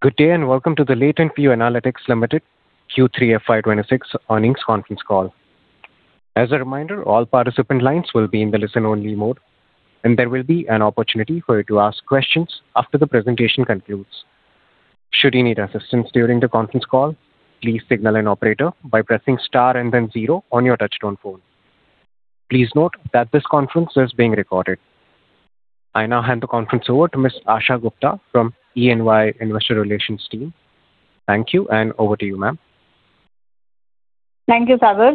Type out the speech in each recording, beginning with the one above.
Good day and welcome to the Latent View Analytics Limited Q3 FY 2026 earnings conference call. As a reminder, all participant lines will be in the listen-only mode, and there will be an opportunity for you to ask questions after the presentation concludes. Should you need assistance during the conference call, please signal an operator by pressing star and then zero on your touch-tone phone. Please note that this conference is being recorded. I now hand the conference over to Ms. Asha Gupta from E&Y Investor Relations team. Thank you, and over to you, ma'am. Thank you, Sagar.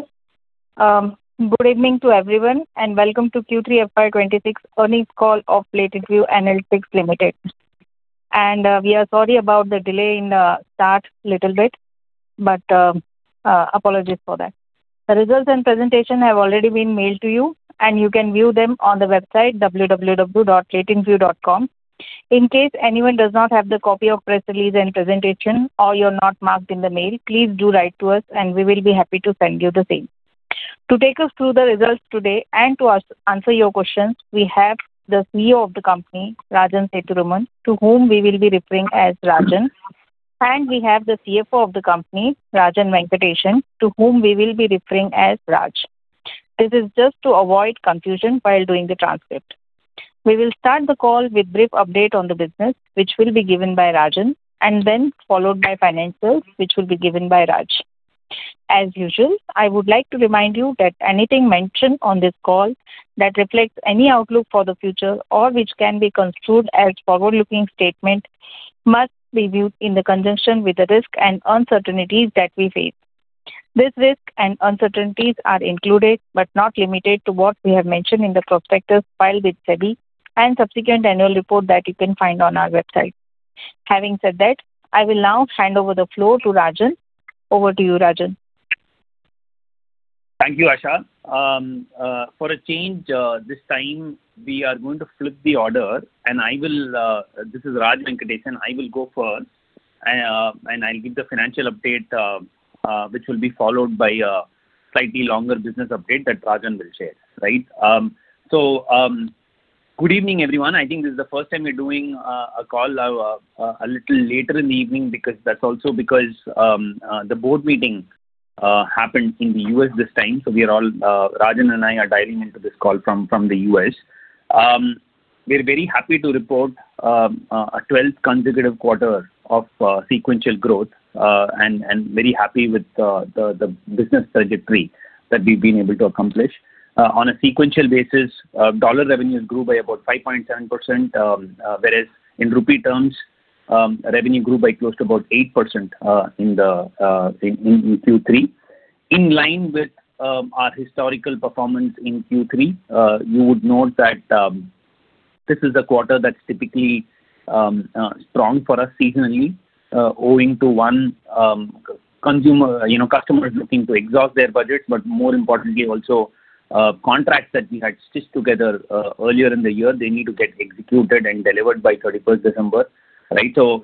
Good evening to everyone, and welcome to Q3 FY 2026 earnings call of Latent View Analytics Limited. We are sorry about the delay in the start a little bit, but apologies for that. The results and presentation have already been mailed to you, and you can view them on the website, www.latentview.com. In case anyone does not have the copy of press release and presentation, or you're not marked in the mail, please do write to us, and we will be happy to send you the same. To take us through the results today and to answer your questions, we have the CEO of the company, Rajan Sethuraman, to whom we will be referring as Rajan, and we have the CFO of the company, Rajan Venkatesan, to whom we will be referring as Raj. This is just to avoid confusion while doing the transcript. We will start the call with a brief update on the business, which will be given by Rajan, and then followed by financials, which will be given by Raj. As usual, I would like to remind you that anything mentioned on this call that reflects any outlook for the future or which can be construed as a forward-looking statement must be viewed in conjunction with the risk and uncertainties that we face. This risk and uncertainties are included but not limited to what we have mentioned in the prospectus filed with SEBI and the subsequent annual report that you can find on our website. Having said that, I will now hand over the floor to Rajan. Over to you, Rajan. Thank you, Asha. For a change, this time we are going to flip the order, and I will. This is Rajan Venkatesan. I will go first, and I'll give the financial update, which will be followed by a slightly longer business update that Rajan will share, right? Good evening, everyone. I think this is the first time we're doing a call a little later in the evening because that's also because the board meeting happened in the U.S. this time, so Rajan and I are dialing into this call from the U.S. We're very happy to report a 12th consecutive quarter of sequential growth, and very happy with the business trajectory that we've been able to accomplish. On a sequential basis, dollar revenues grew by about 5.7%, whereas in rupee terms, revenue grew by close to about 8% in Q3. In line with our historical performance in Q3, you would note that this is a quarter that's typically strong for us seasonally, owing to consumer you know, customers looking to exhaust their budgets, but more importantly also, contracts that we had stitched together earlier in the year, they need to get executed and delivered by 31st December, right? So,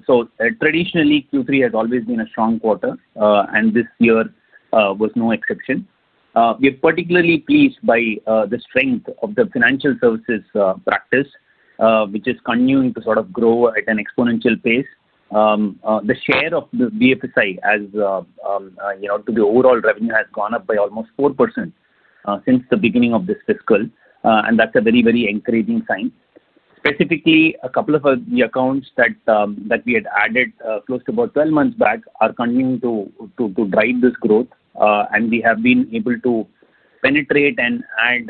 traditionally, Q3 has always been a strong quarter, and this year was no exception. We're particularly pleased by the strength of the financial services practice, which is continuing to sort of grow at an exponential pace. The share of the BFSI as, you know, to the overall revenue has gone up by almost 4%, since the beginning of this fiscal, and that's a very, very encouraging sign. Specifically, a couple of the accounts that we had added close to about 12 months back are continuing to drive this growth, and we have been able to penetrate and add,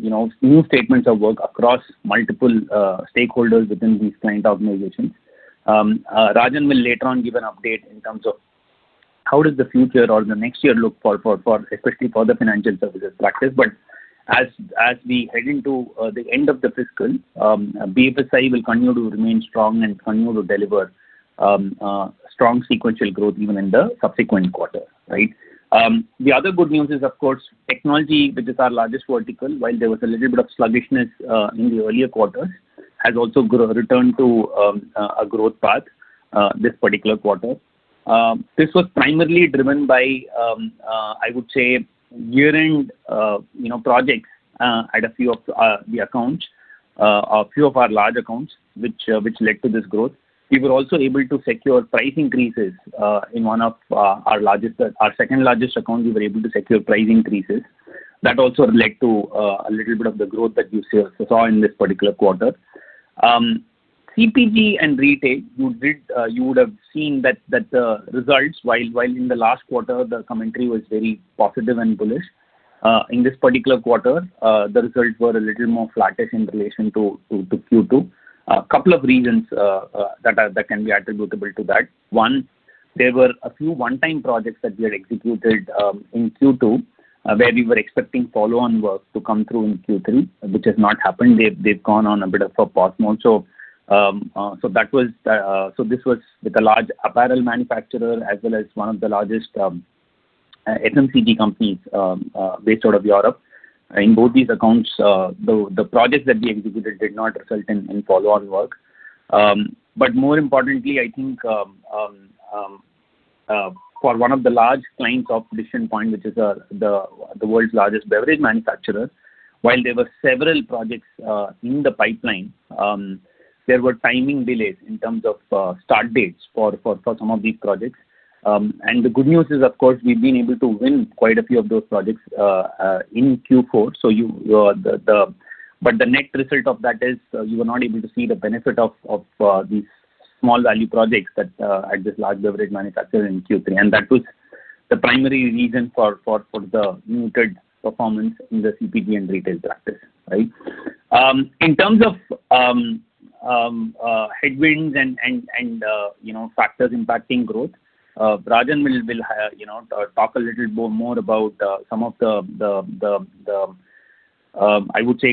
you know, new statements of work across multiple stakeholders within these client organizations. Rajan will later on give an update in terms of how does the future or the next year look for especially for the financial services practice. But as we head into the end of the fiscal, BFSI will continue to remain strong and continue to deliver strong sequential growth even in the subsequent quarter, right? The other good news is, of course, technology, which is our largest vertical, while there was a little bit of sluggishness in the earlier quarters, has also grown, returned to a growth path this particular quarter. This was primarily driven by, I would say, year-end, you know, projects at a few of the accounts, a few of our large accounts, which led to this growth. We were also able to secure price increases in one of our largest, our second largest account, we were able to secure price increases. That also led to a little bit of the growth that you saw in this particular quarter. CPG and retail, you would have seen that the results, while in the last quarter the commentary was very positive and bullish, in this particular quarter the results were a little more flattish in relation to Q2. A couple of reasons that can be attributable to that. One, there were a few one-time projects that we had executed in Q2, where we were expecting follow-on work to come through in Q3, which has not happened. They've gone on a bit of a pause more. So this was with a large apparel manufacturer as well as one of the largest FMCG companies based out of Europe. In both these accounts, the projects that we executed did not result in follow-on work. But more importantly, I think, for one of the large clients of Decision Point, which is the world's largest beverage manufacturer, while there were several projects in the pipeline, there were timing delays in terms of start dates for some of these projects. The good news is, of course, we've been able to win quite a few of those projects in Q4, so but the net result of that is you were not able to see the benefit of these small value projects that at this large beverage manufacturer in Q3. And that was the primary reason for the muted performance in the CPG and retail practice, right? In terms of headwinds and, you know, factors impacting growth, Rajan will, he'll, you know, talk a little more about some of the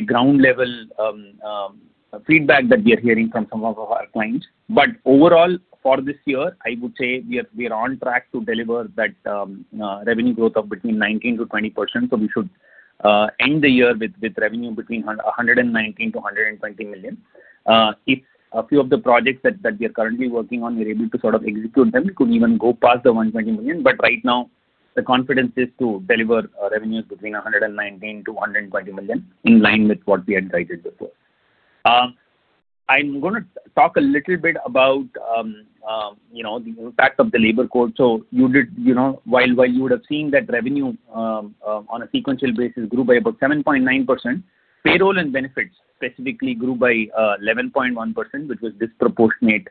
ground-level feedback that we are hearing from some of our clients. But overall, for this year, I would say we are on track to deliver that revenue growth of between 19%-20%, so we should end the year with revenue between $119 million-$120 million. If a few of the projects that we are currently working on, we're able to sort of execute them, it could even go past the $120 million. But right now, the confidence is to deliver revenues between $119 million-$120 million in line with what we had guided before. I'm going to talk a little bit about, you know, the impact of the labor costs. So you know, while you would have seen that revenue on a sequential basis grew by about 7.9%, payroll and benefits specifically grew by 11.1%, which was disproportionate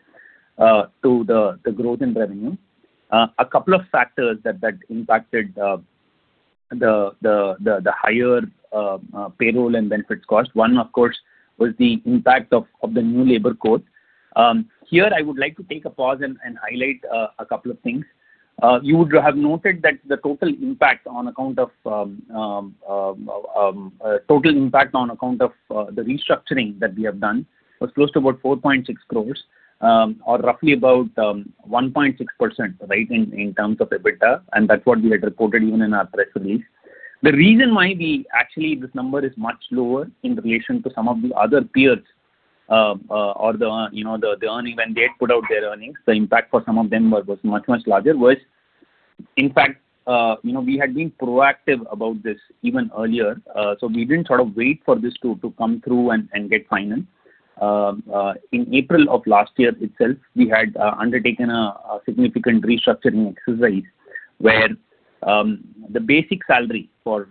to the growth in revenue. A couple of factors that impacted the higher payroll and benefits cost. One, of course, was the impact of the new Labor Code. Here I would like to take a pause and highlight a couple of things. You would have noted that the total impact on account of the restructuring that we have done was close to about 4.6 crores, or roughly about 1.6%, right, in terms of EBITDA, and that's what we had reported even in our press release. The reason why we actually this number is much lower in relation to some of the other peers, or, you know, the earnings when they had put out their earnings, the impact for some of them was much larger. In fact, you know, we had been proactive about this even earlier, so we didn't sort of wait for this to come through and get final. In April of last year itself, we had undertaken a significant restructuring exercise where the basic salary for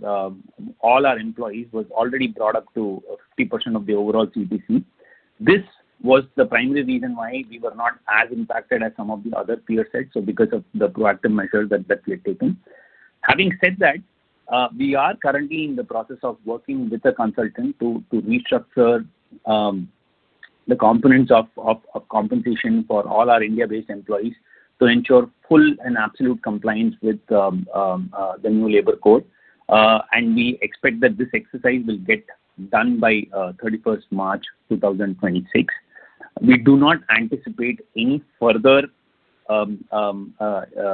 all our employees was already brought up to 50% of the overall CTC. This was the primary reason why we were not as impacted as some of the other peers. So because of the proactive measures that we had taken. Having said that, we are currently in the process of working with a consultant to restructure the components of compensation for all our India-based employees to ensure full and absolute compliance with the new Labor Code. And we expect that this exercise will get done by 31st March 2026. We do not anticipate any further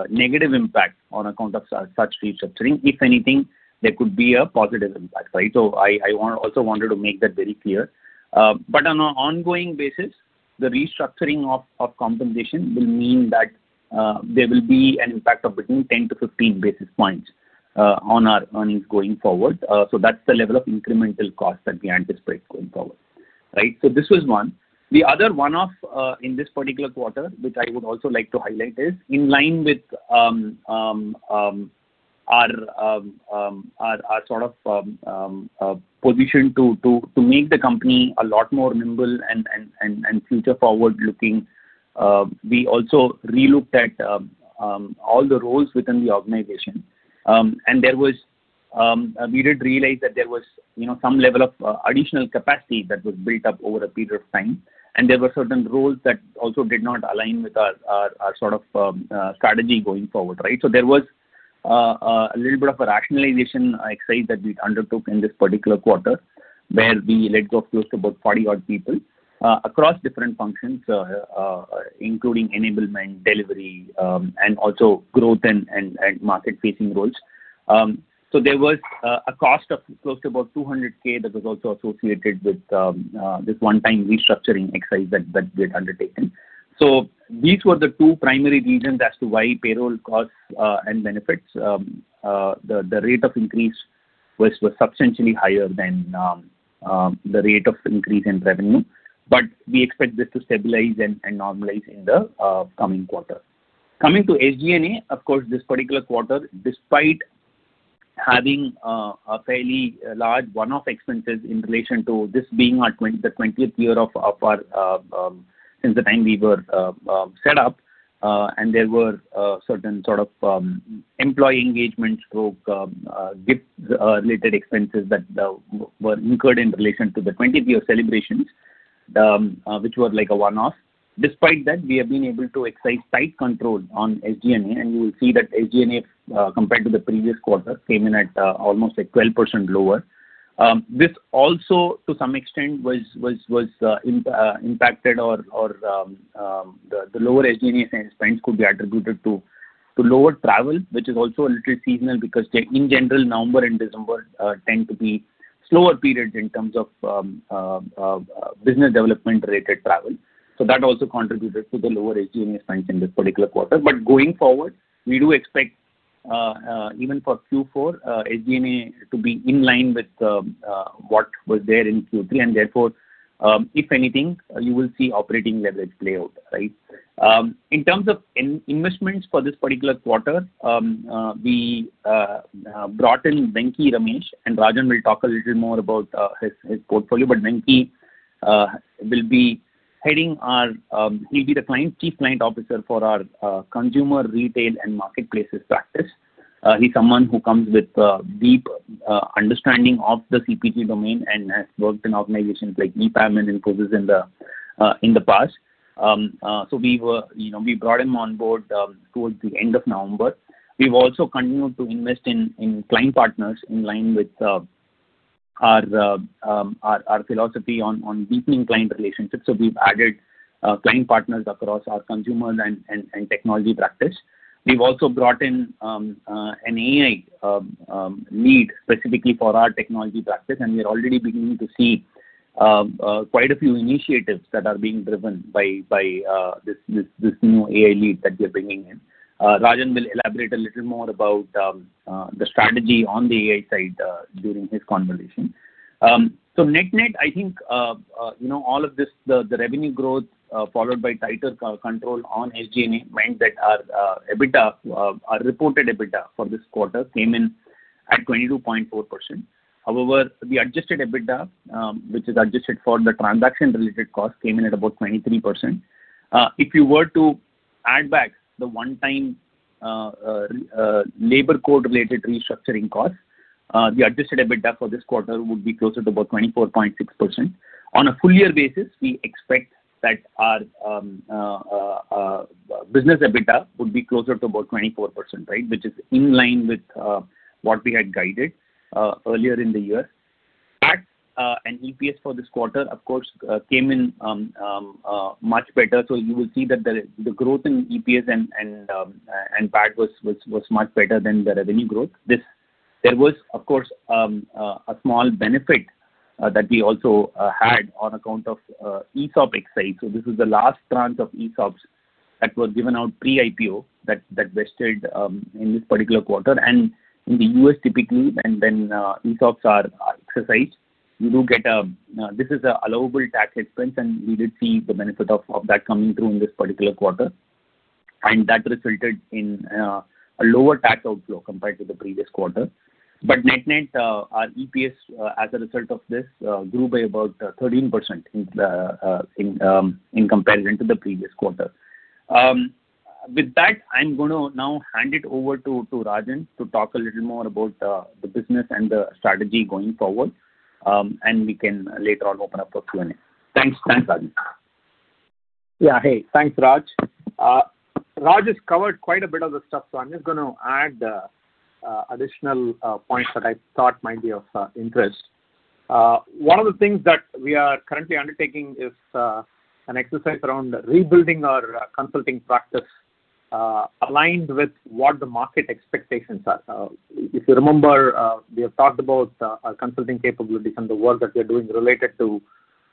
negative impact on account of such restructuring. If anything, there could be a positive impact, right? So I also wanted to make that very clear. But on an ongoing basis, the restructuring of compensation will mean that there will be an impact of between 10-15 basis points on our earnings going forward. So that's the level of incremental cost that we anticipate going forward, right? So this was one. The other one of, in this particular quarter, which I would also like to highlight, is in line with our sort of position to make the company a lot more nimble and future-forward-looking. We also relooked at all the roles within the organization. There was, we did realize that there was, you know, some level of additional capacity that was built up over a period of time, and there were certain roles that also did not align with our sort of strategy going forward, right? So there was a little bit of a rationalization exercise that we undertook in this particular quarter where we let go of close to about 40-odd people, across different functions, including enablement, delivery, and also growth and market-facing roles. So there was a cost of close to about $200,000 that was also associated with this one-time restructuring exercise that we had undertaken. So these were the two primary reasons as to why payroll costs and benefits, the rate of increase was substantially higher than the rate of increase in revenue. But we expect this to stabilize and normalize in the coming quarter. Coming to SG&A, of course, this particular quarter, despite having a fairly large one-off expenses in relation to this being our 20th year of our since the time we were set up, and there were certain sort of employee engagement slash gifts related expenses that were incurred in relation to the 20th-year celebrations, which were like a one-off. Despite that, we have been able to exercise tight control on SG&A, and you will see that SG&A, compared to the previous quarter, came in at almost like 12% lower. This also, to some extent, was impacted or the lower SG&A spends could be attributed to lower travel, which is also a little seasonal because in general, November and December tend to be slower periods in terms of business development-related travel. So that also contributed to the lower SG&A spends in this particular quarter. But going forward, we do expect, even for Q4, SG&A to be in line with what was there in Q3, and therefore, if anything, you will see operating leverage play out, right? In terms of investments for this particular quarter, we brought in Venky Ramesh, and Rajan will talk a little more about his portfolio, but Venky will be heading our, he'll be the Chief Client Officer for our consumer retail and marketplaces practice. He's someone who comes with deep understanding of the CPG domain and has worked in organizations like EPAM and Infosys in the past. So we were, you know, we brought him on board towards the end of November. We've also continued to invest in client partners in line with our philosophy on deepening client relationships. So we've added client partners across our consumers and technology practice. We've also brought in an AI lead specifically for our technology practice, and we're already beginning to see quite a few initiatives that are being driven by this new AI lead that we're bringing in. Rajan will elaborate a little more about the strategy on the AI side during his conversation. So net-net, I think, you know, all of this the revenue growth, followed by tighter cost control on SG&A meant that our EBITDA, our reported EBITDA for this quarter came in at 22.4%. However, the adjusted EBITDA, which is adjusted for the transaction-related cost, came in at about 23%. If you were to add back the one-time Labor Code-related restructuring cost, the adjusted EBITDA for this quarter would be closer to about 24.6%. On a full-year basis, we expect that our business EBITDA would be closer to about 24%, right, which is in line with what we had guided earlier in the year. That and EPS for this quarter, of course, came in much better. So you will see that the growth in EPS and EBITDA was much better than the revenue growth. There was, of course, a small benefit that we also had on account of ESOP exercise. So this is the last tranche of ESOPs that were given out pre-IPO that vested in this particular quarter. And in the U.S. typically, ESOPs are exercised, you do get a this is a allowable tax expense, and we did see the benefit of that coming through in this particular quarter. And that resulted in a lower tax outflow compared to the previous quarter. But net-net, our EPS, as a result of this, grew by about 13% in comparison to the previous quarter. With that, I'm going to now hand it over to Rajan to talk a little more about the business and the strategy going forward, and we can later on open up for Q&A. Thanks. Thanks, Rajan? Yeah. Hey. Thanks, Raj. Raj has covered quite a bit of the stuff, so I'm just going to add additional points that I thought might be of interest. One of the things that we are currently undertaking is an exercise around rebuilding our consulting practice, aligned with what the market expectations are. If you remember, we have talked about our consulting capabilities and the work that we are doing related to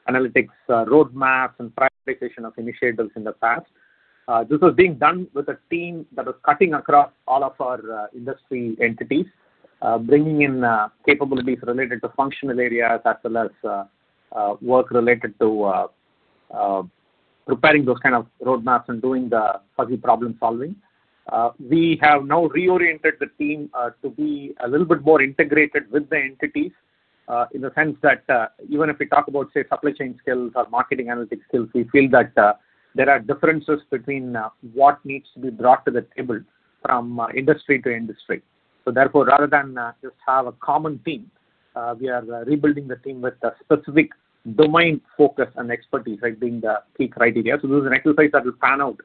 analytics, roadmaps and prioritization of initiatives in the past. This was being done with a team that was cutting across all of our industry entities, bringing in capabilities related to functional areas as well as work related to preparing those kind of roadmaps and doing the fuzzy problem-solving. We have now reoriented the team to be a little bit more integrated with the entities, in the sense that even if we talk about, say, supply chain skills or marketing analytics skills, we feel that there are differences between what needs to be brought to the table from industry to industry. So therefore, rather than just have a common team, we are rebuilding the team with a specific domain focus and expertise, right, being the key criteria. So this is an exercise that will pan out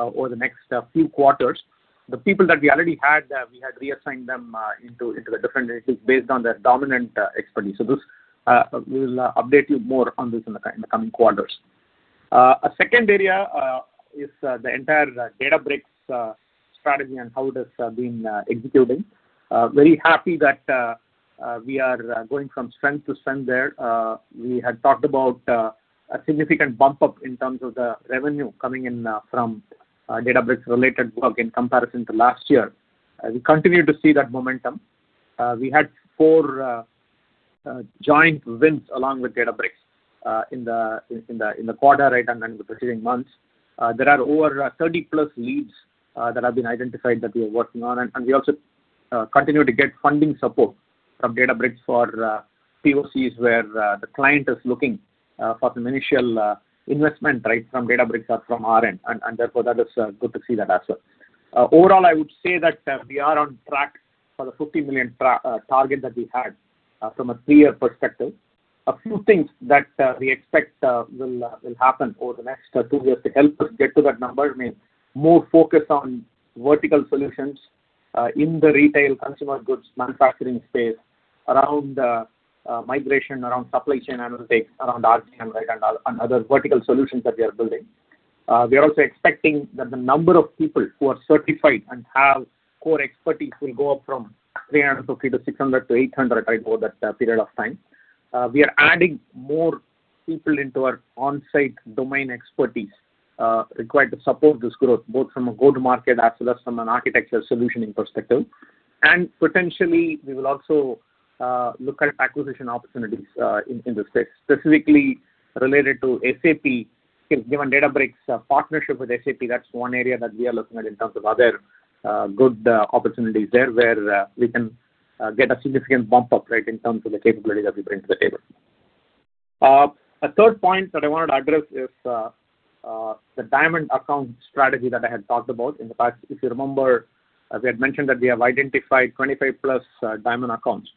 over the next few quarters. The people that we already had, we had reassigned them into the different entities based on their dominant expertise. So this, we will update you more on this in the coming quarters. A second area is the entire Databricks strategy and how it has been executing. Very happy that we are going from strength to strength there. We had talked about a significant bump-up in terms of the revenue coming in from Databricks-related work in comparison to last year. We continue to see that momentum. We had four joint wins along with Databricks in the quarter, right, and with the preceding months. There are over 30+ leads that have been identified that we are working on, and we also continue to get funding support from Databricks for POCs where the client is looking for some initial investment, right, from Databricks or from our end. And therefore, that is good to see that as well. Overall, I would say that we are on track for the $50 million target that we had from a three-year perspective. A few things that we expect will happen over the next two years to help us get to that number. I mean, more focus on vertical solutions in the retail consumer goods manufacturing space, around migration, around supply chain analytics, around RGM, right, and other vertical solutions that we are building. We are also expecting that the number of people who are certified and have core expertise will go up from 350 to 600 to 800 right over that period of time. We are adding more people into our on-site domain expertise required to support this growth both from a go-to-market as well as from an architecture solutioning perspective. Potentially, we will also look at acquisition opportunities in this space, specifically related to SAP. Given Databricks' partnership with SAP, that's one area that we are looking at in terms of other good opportunities there where we can get a significant bump-up right in terms of the capability that we bring to the table. A third point that I wanted to address is the Diamond Account Strategy that I had talked about in the past. If you remember, we had mentioned that we have identified 25+ diamond accounts,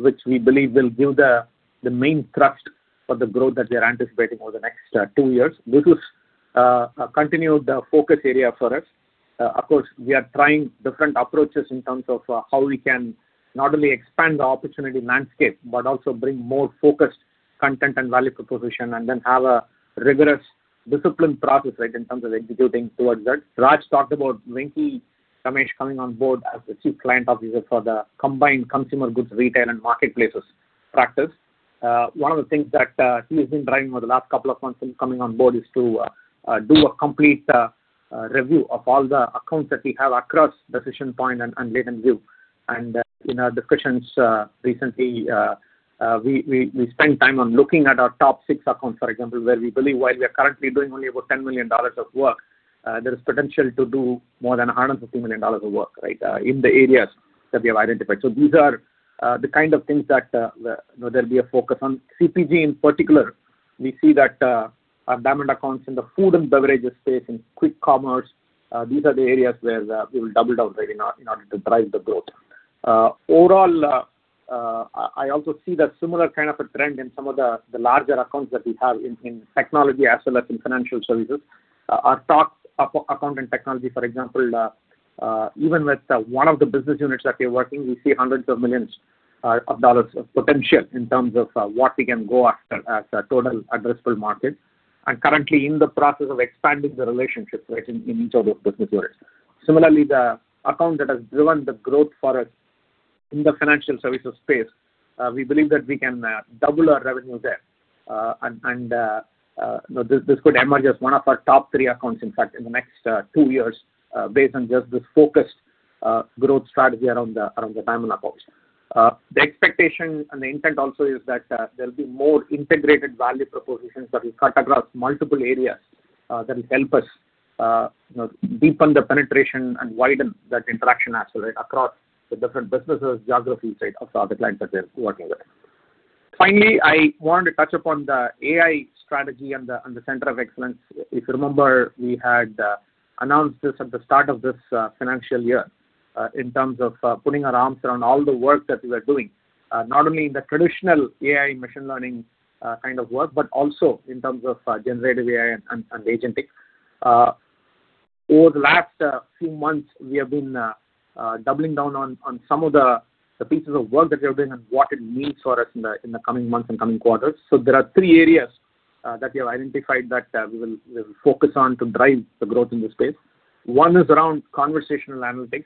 which we believe will give the main thrust for the growth that we are anticipating over the next two years. This is continued focus area for us. Of course, we are trying different approaches in terms of how we can not only expand the opportunity landscape but also bring more focused content and value proposition and then have a rigorous discipline process, right, in terms of executing towards that. Raj talked about Venky Ramesh coming on board as the Chief Client Officer for the combined consumer goods retail and marketplaces practice. One of the things that he has been driving over the last couple of months in coming on board is to do a complete review of all the accounts that we have across Decision Point and LatentView. In our discussions, recently, we spent time on looking at our top six accounts, for example, where we believe while we are currently doing only about $10 million of work, there is potential to do more than $150 million of work, right, in the areas that we have identified. So these are the kind of things that, you know, there'll be a focus on. CPG in particular, we see that our Diamond accounts in the food and beverages space and quick commerce, these are the areas where we will double down, right, in order to drive the growth. Overall, I also see the similar kind of a trend in some of the larger accounts that we have in technology as well as in financial services, our top account in technology, for example, even with one of the business units that we are working, we see hundreds of millions of dollars of potential in terms of what we can go after as a total addressable market and currently in the process of expanding the relationships, right, in each of those business units. Similarly, the account that has driven the growth for us in the financial services space, we believe that we can double our revenue there, and you know, this could emerge as one of our top 3 accounts, in fact, in the next 2 years, based on just this focused growth strategy around the Diamond accounts. The expectation and the intent also is that there'll be more integrated value propositions that will cut across multiple areas, that will help us, you know, deepen the penetration and widen that interaction as well, right, across the different businesses, geographies, right, of the clients that we are working with. Finally, I wanted to touch upon the AI strategy and the center of excellence. If you remember, we had announced this at the start of this financial year, in terms of putting our arms around all the work that we were doing, not only in the traditional AI machine learning kind of work but also in terms of generative AI and Agentic. Over the last few months, we have been doubling down on some of the pieces of work that we are doing and what it means for us in the coming months and coming quarters. So there are three areas that we have identified that we will focus on to drive the growth in this space. One is around conversational analytics.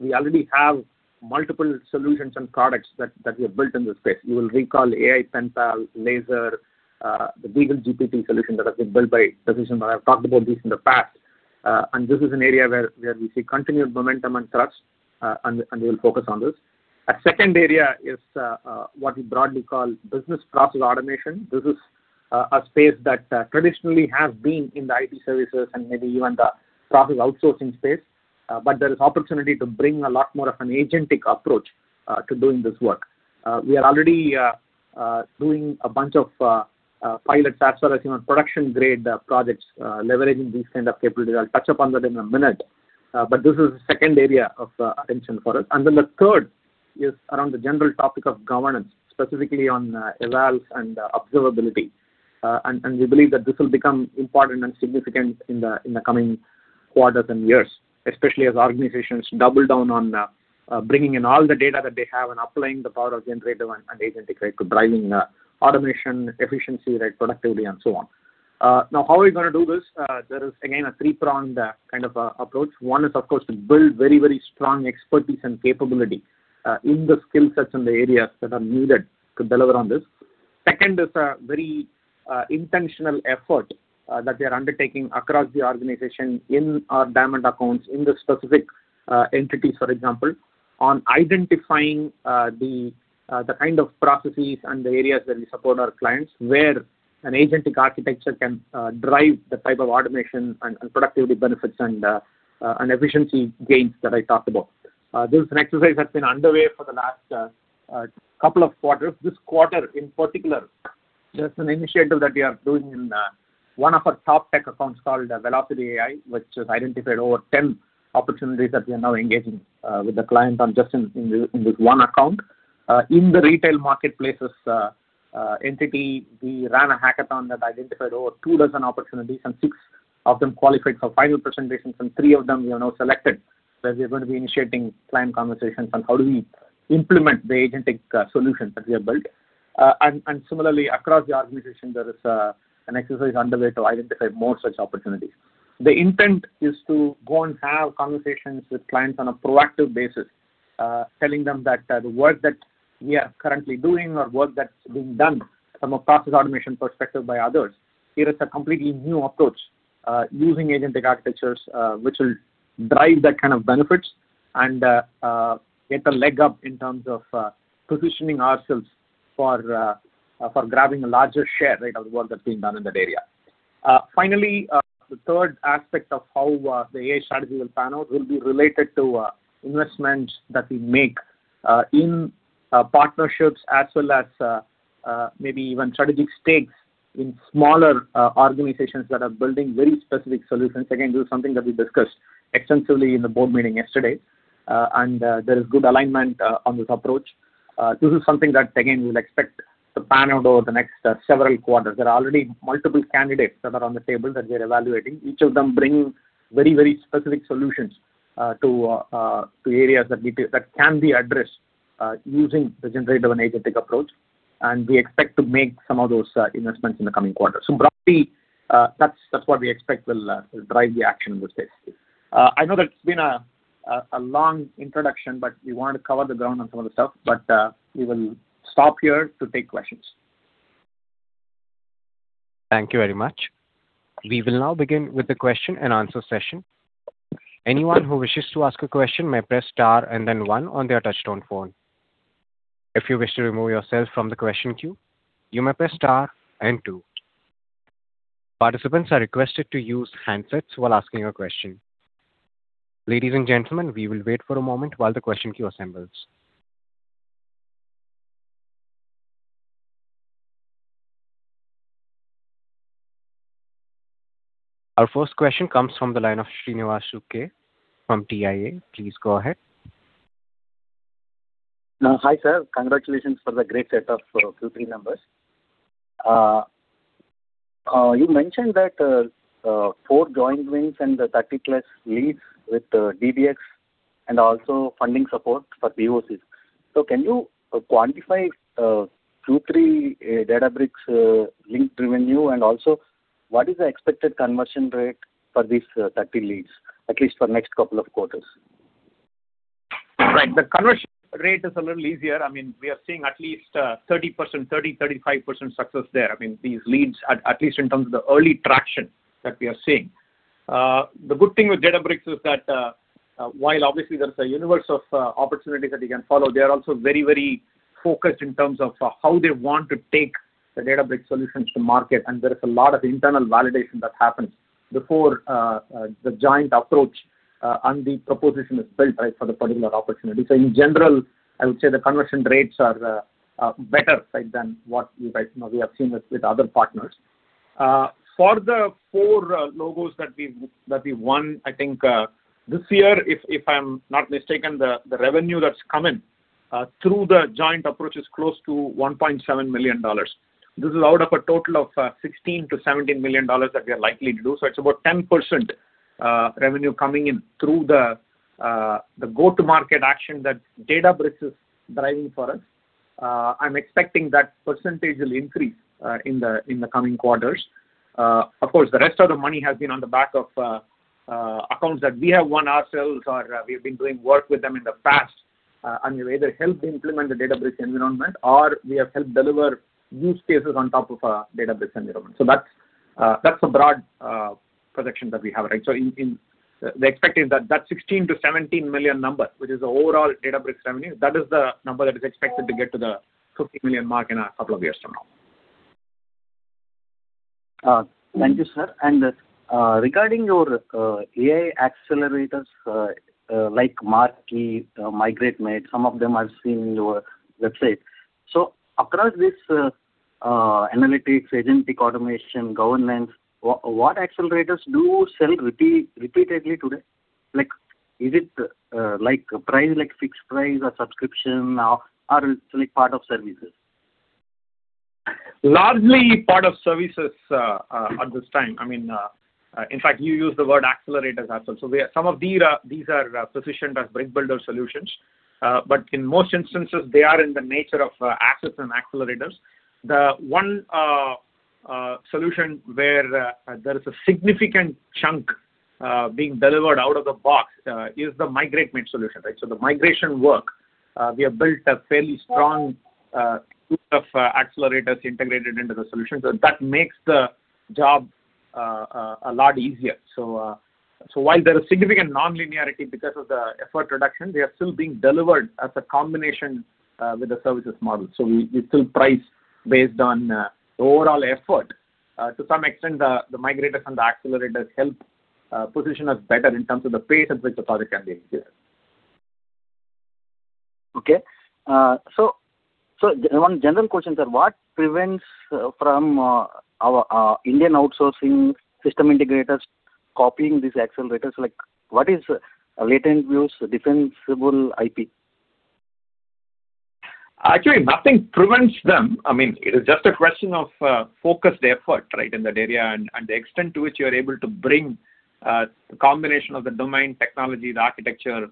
We already have multiple solutions and products that we have built in this space. You will recall AI PenPal, LASER, the BeagleGPT solution that has been built by Decision Point. I have talked about this in the past, and this is an area where we see continued momentum and thrust, and we will focus on this. A second area is what we broadly call business process automation. This is a space that traditionally has been in the IT services and maybe even the process outsourcing space, but there is opportunity to bring a lot more of an agentic approach to doing this work. We are already doing a bunch of pilots as well as even production-grade projects, leveraging these kind of capabilities. I'll touch upon that in a minute, but this is the second area of attention for us. And then the third is around the general topic of governance, specifically on evals and observability. And we believe that this will become important and significant in the coming quarters and years, especially as organizations double down on bringing in all the data that they have and applying the power of generative and agentic right to driving automation, efficiency right productivity, and so on. Now, how are we going to do this? There is, again, a three-pronged, kind of, approach. One is, of course, to build very, very strong expertise and capability in the skill sets and the areas that are needed to deliver on this. Second is a very, intentional effort that we are undertaking across the organization in our diamond accounts, in the specific entities, for example, on identifying the kind of processes and the areas that we support our clients where an agentic architecture can drive the type of automation and productivity benefits and efficiency gains that I talked about. This is an exercise that's been underway for the last couple of quarters. This quarter in particular, there's an initiative that we are doing in one of our top tech accounts called Velocity AI, which has identified over 10 opportunities that we are now engaging with the client on just in this one account. In the retail marketplaces entity, we ran a hackathon that identified over two dozen opportunities, and six of them qualified for final presentations, and three of them we have now selected where we are going to be initiating client conversations on how do we implement the agentic solutions that we have built. Similarly, across the organization, there is an exercise underway to identify more such opportunities. The intent is to go and have conversations with clients on a proactive basis, telling them that, the work that we are currently doing or work that's being done from a process automation perspective by others, here is a completely new approach, using agentic architectures, which will drive that kind of benefits and, get a leg up in terms of, positioning ourselves for, for grabbing a larger share, right, of the work that's being done in that area. Finally, the third aspect of how, the AI strategy will pan out will be related to, investments that we make, in, partnerships as well as, maybe even strategic stakes in smaller, organizations that are building very specific solutions. Again, this is something that we discussed extensively in the board meeting yesterday, and, there is good alignment, on this approach. This is something that, again, we will expect to pan out over the next several quarters. There are already multiple candidates that are on the table that we are evaluating, each of them bringing very, very specific solutions to areas that can be addressed using the generative and agentic approach. And we expect to make some of those investments in the coming quarters. So broadly, that's what we expect will drive the action in this space. I know that it's been a long introduction, but we wanted to cover the ground on some of the stuff. But we will stop here to take questions. Thank you very much. We will now begin with the question and answer session. Anyone who wishes to ask a question may press star and then one on their touch-tone phone. If you wish to remove yourself from the question queue, you may press star and two. Participants are requested to use handsets while asking a question. Ladies and gentlemen, we will wait for a moment while the question queue assembles. Our first question comes from the line of Srinivasu K. from TIA. Please go ahead. Hi, sir. Congratulations for the great set of Q3 numbers. You mentioned that four joint wins and the 30+ leads with DBX and also funding support for POCs. So can you quantify Q3 Databricks linked revenue, and also what is the expected conversion rate for these 30 leads, at least for next couple of quarters? Right. The conversion rate is a little easier. I mean, we are seeing at least 30%-35% success there. I mean, these leads, at least in terms of the early traction that we are seeing. The good thing with Databricks is that, while obviously, there's a universe of opportunities that you can follow, they are also very, very focused in terms of how they want to take the Databricks solutions to market. And there is a lot of internal validation that happens before the joint approach, and the proposition is built, right, for the particular opportunity. So in general, I would say the conversion rates are better, right, than what we right now we have seen with other partners. For the four logos that we've won, I think, this year, if I'm not mistaken, the revenue that's come in through the joint approach is close to $1.7 million. This is out of a total of $16 million-$17 million that we are likely to do. So it's about 10% revenue coming in through the go-to-market action that Databricks is driving for us. I'm expecting that percentage will increase in the coming quarters. Of course, the rest of the money has been on the back of accounts that we have won ourselves or we have been doing work with them in the past, and we've either helped implement the Databricks environment or we have helped deliver use cases on top of a Databricks environment. So that's a broad projection that we have, right? So in the expectation that $16-$17 million number, which is the overall Databricks revenue, that is the number that is expected to get to the $50 million mark in a couple of years from now. Thank you, sir. Regarding your AI accelerators, like MARKEE, MigrateMate, some of them I've seen in your website. Across this, analytics, agentic automation, governance, what, what accelerators do sell repeat, repeatedly today? Like, is it, like, price, like fixed price or subscription, or, or is it, like, part of services? Largely part of services, at this time. I mean, in fact, you used the word accelerators as well. So we are some of these, these are positioned as brick builder solutions. In most instances, they are in the nature of assets and accelerators. The one solution where there is a significant chunk being delivered out of the box is the MigrateMate solution, right? So the migration work, we have built a fairly strong suite of accelerators integrated into the solution. So that makes the job a lot easier. So while there is significant nonlinearity because of the effort reduction, they are still being delivered as a combination with the services model. So we still price based on the overall effort. To some extent, the migrators and the accelerators help position us better in terms of the pace at which the project can be executed. Okay. So one general question, sir. What prevents our Indian outsourcing system integrators from copying these accelerators? Like, what is LatentView's defensible IP? Actually, nothing prevents them. I mean, it is just a question of focused effort, right, in that area and the extent to which you are able to bring the combination of the domain technologies, architecture,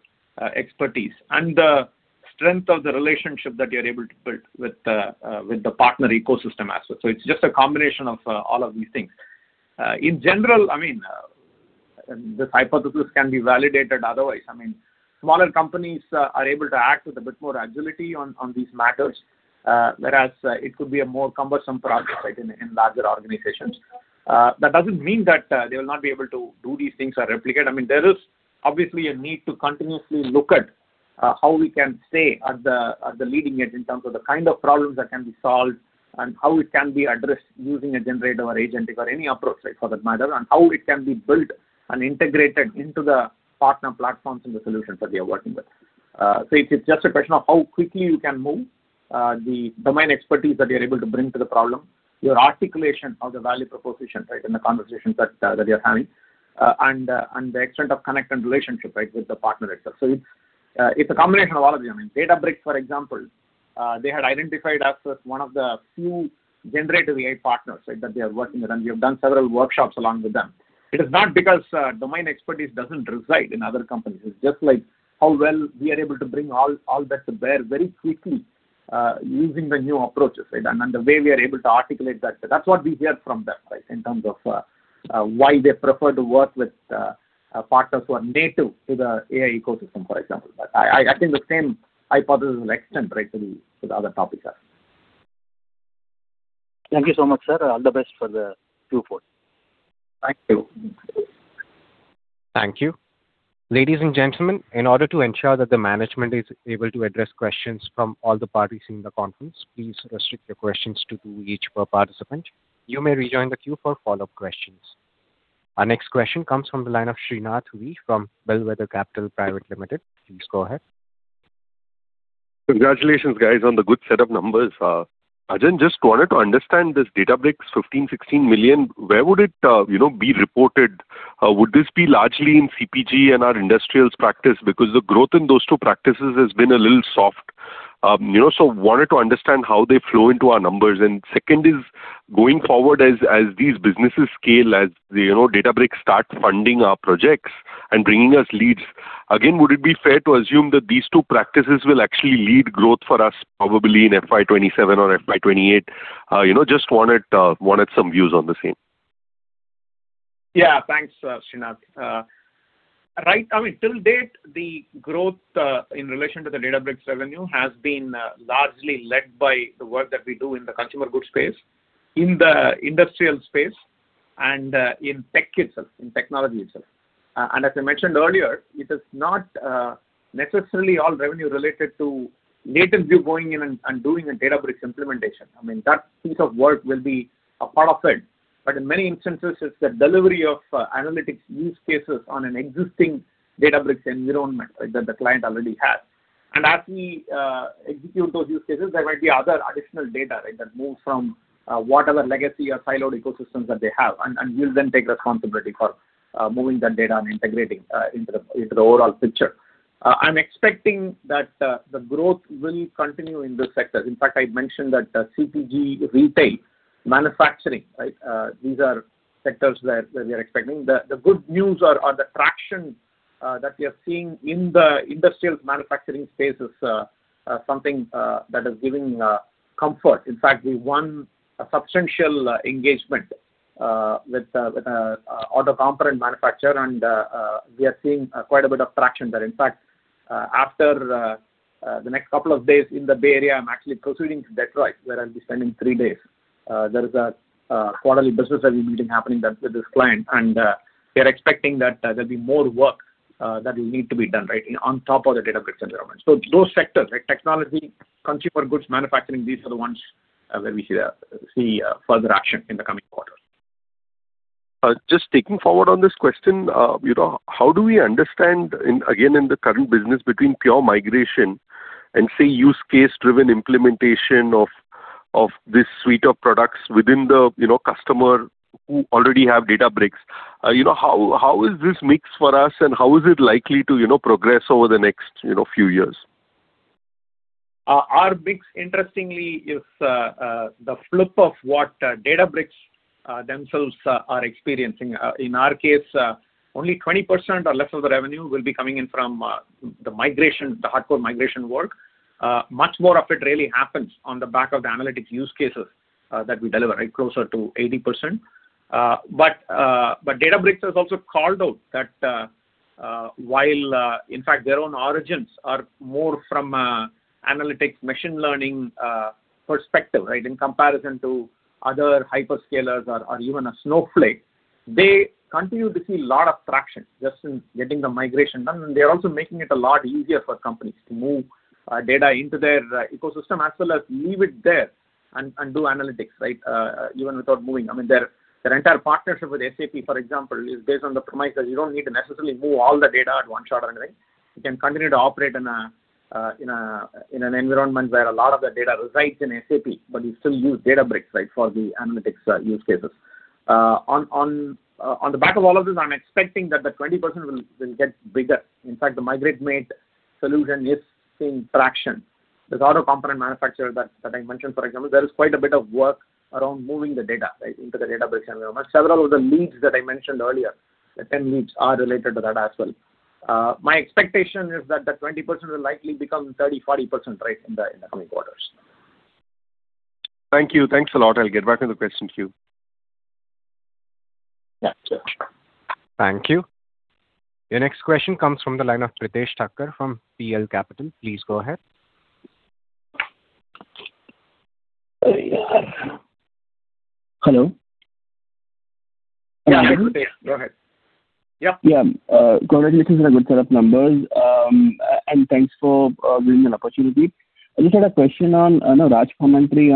expertise, and the strength of the relationship that you are able to build with the partner ecosystem as well. So it's just a combination of all of these things. In general, I mean, and this hypothesis can be validated otherwise. I mean, smaller companies are able to act with a bit more agility on these matters, whereas it could be a more cumbersome process, right, in larger organizations. That doesn't mean that they will not be able to do these things or replicate. I mean, there is obviously a need to continuously look at how we can stay at the leading edge in terms of the kind of problems that can be solved and how it can be addressed using a generative or agentic or any approach, right, for that matter, and how it can be built and integrated into the partner platforms and the solutions that we are working with. So it's, it's just a question of how quickly you can move, the domain expertise that you are able to bring to the problem, your articulation of the value proposition, right, in the conversations that, that you're having, and, and the extent of connect and relationship, right, with the partner itself. So it's, it's a combination of all of these. I mean, Databricks, for example, they had identified us as one of the few generative AI partners, right, that they are working with. And we have done several workshops along with them. It is not because domain expertise doesn't reside in other companies. It's just, like, how well we are able to bring all that to bear very quickly, using the new approaches, right, and the way we are able to articulate that. So that's what we hear from them, right, in terms of why they prefer to work with partners who are native to the AI ecosystem, for example. But I think the same hypothesis will extend, right, to the other topics as well. Thank you so much, sir. All the best for the Q4. Thank you. Thank you. Ladies and gentlemen, in order to ensure that the management is able to address questions from all the parties in the conference, please restrict your questions to each per participant. You may rejoin the queue for follow-up questions. Our next question comes from the line of Srinath V. from Bellwether Capital Private Limited. Please go ahead. Congratulations, guys, on the good set of numbers. Rajan, just wanted to understand this Databricks $15-$16 million, where would it, you know, be reported? Would this be largely in CPG and our industrials practice? Because the growth in those two practices has been a little soft, you know, so wanted to understand how they flow into our numbers. And second is, going forward, as, as these businesses scale, as the, you know, Databricks start funding our projects and bringing us leads, again, would it be fair to assume that these two practices will actually lead growth for us probably in FY 2027 or FY 2028? You know, just wanted, wanted some views on the same. Yeah. Thanks, Srinath. Right, I mean, till date, the growth, in relation to the Databricks revenue has been largely led by the work that we do in the consumer goods space, in the industrial space, and in tech itself, in technology itself. And as I mentioned earlier, it is not necessarily all revenue related to LatentView going in and doing a Databricks implementation. I mean, that piece of work will be a part of it. But in many instances, it's the delivery of analytics use cases on an existing Databricks environment, right, that the client already has. And as we execute those use cases, there might be other additional data, right, that moves from whatever legacy or siloed ecosystems that they have. And we'll then take responsibility for moving that data and integrating into the overall picture. I'm expecting that the growth will continue in those sectors. In fact, I mentioned that CPG, retail, manufacturing, right, these are sectors that we are expecting. The good news or the traction that we are seeing in the industrials manufacturing space is something that is giving comfort. In fact, we won a substantial engagement with an auto component manufacturer. And we are seeing quite a bit of traction there. In fact, after the next couple of days in the Bay Area, I'm actually proceeding to Detroit, where I'll be spending three days. There is a quarterly business revenue meeting happening there with this client. And we are expecting that there'll be more work that will need to be done, right, in on top of the Databricks environment. So those sectors, right, technology, consumer goods, manufacturing, these are the ones where we see further action in the coming quarters. Just taking forward on this question, you know, how do we understand in again, in the current business between pure migration and, say, use case-driven implementation of, of this suite of products within the, you know, customer who already have Databricks? You know, how, how is this mix for us, and how is it likely to, you know, progress over the next, you know, few years? Our mix, interestingly, is the flip of what Databricks themselves are experiencing. In our case, only 20% or less of the revenue will be coming in from the migration, the hardcore migration work. Much more of it really happens on the back of the analytics use cases that we deliver, right, closer to 80%. But Databricks has also called out that, while in fact their own origins are more from a analytics machine learning perspective, right, in comparison to other hyperscalers or even a Snowflake, they continue to see a lot of traction just in getting the migration done. And they are also making it a lot easier for companies to move data into their ecosystem as well as leave it there and do analytics, right, even without moving. I mean, their entire partnership with SAP, for example, is based on the premise that you don't need to necessarily move all the data at one shot or anything. You can continue to operate in an environment where a lot of the data resides in SAP, but you still use Databricks, right, for the analytics use cases. On the back of all of this, I'm expecting that the 20% will get bigger. In fact, the MigrateMate solution is seeing traction. This auto component manufacturer that I mentioned, for example, there is quite a bit of work around moving the data, right, into the Databricks environment. Several of the leads that I mentioned earlier, the 10 leads, are related to that as well. My expectation is that the 20% will likely become 30%-40%, right, in the coming quarters. Thank you. Thanks a lot. I'll get back to the questions queue. Yeah. Sure. Thank you. Your next question comes from the line of Prithesh Thakkar from PL Capital. Please go ahead. Oh, yeah. Hello. Yeah. Prithesh, go ahead. Yeah. Yeah. Congratulations on a good set of numbers. And thanks for giving me an opportunity. I just had a question on. I know Raj commentary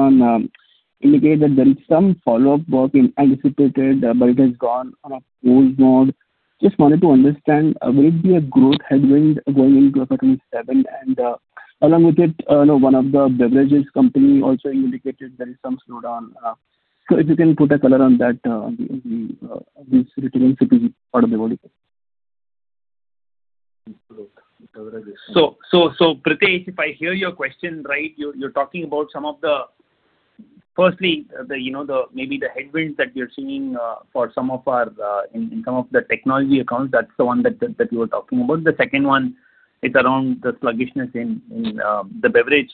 indicated that there is some follow-up work anticipated, but it has gone on a pause mode. Just wanted to understand, will it be a growth headwind going into FY 2027? And, along with it, you know, one of the beverages company also indicated there is some slowdown. So if you can put a color on that, on the retailing CPG part of the business? Absolutely. A color I guess. So, Prithesh, if I hear your question right, you're talking about some of the, firstly, the, you know, the maybe the headwind that you're seeing for some of our in some of the technology accounts. That's the one that you were talking about. The second one, it's around the sluggishness in the beverage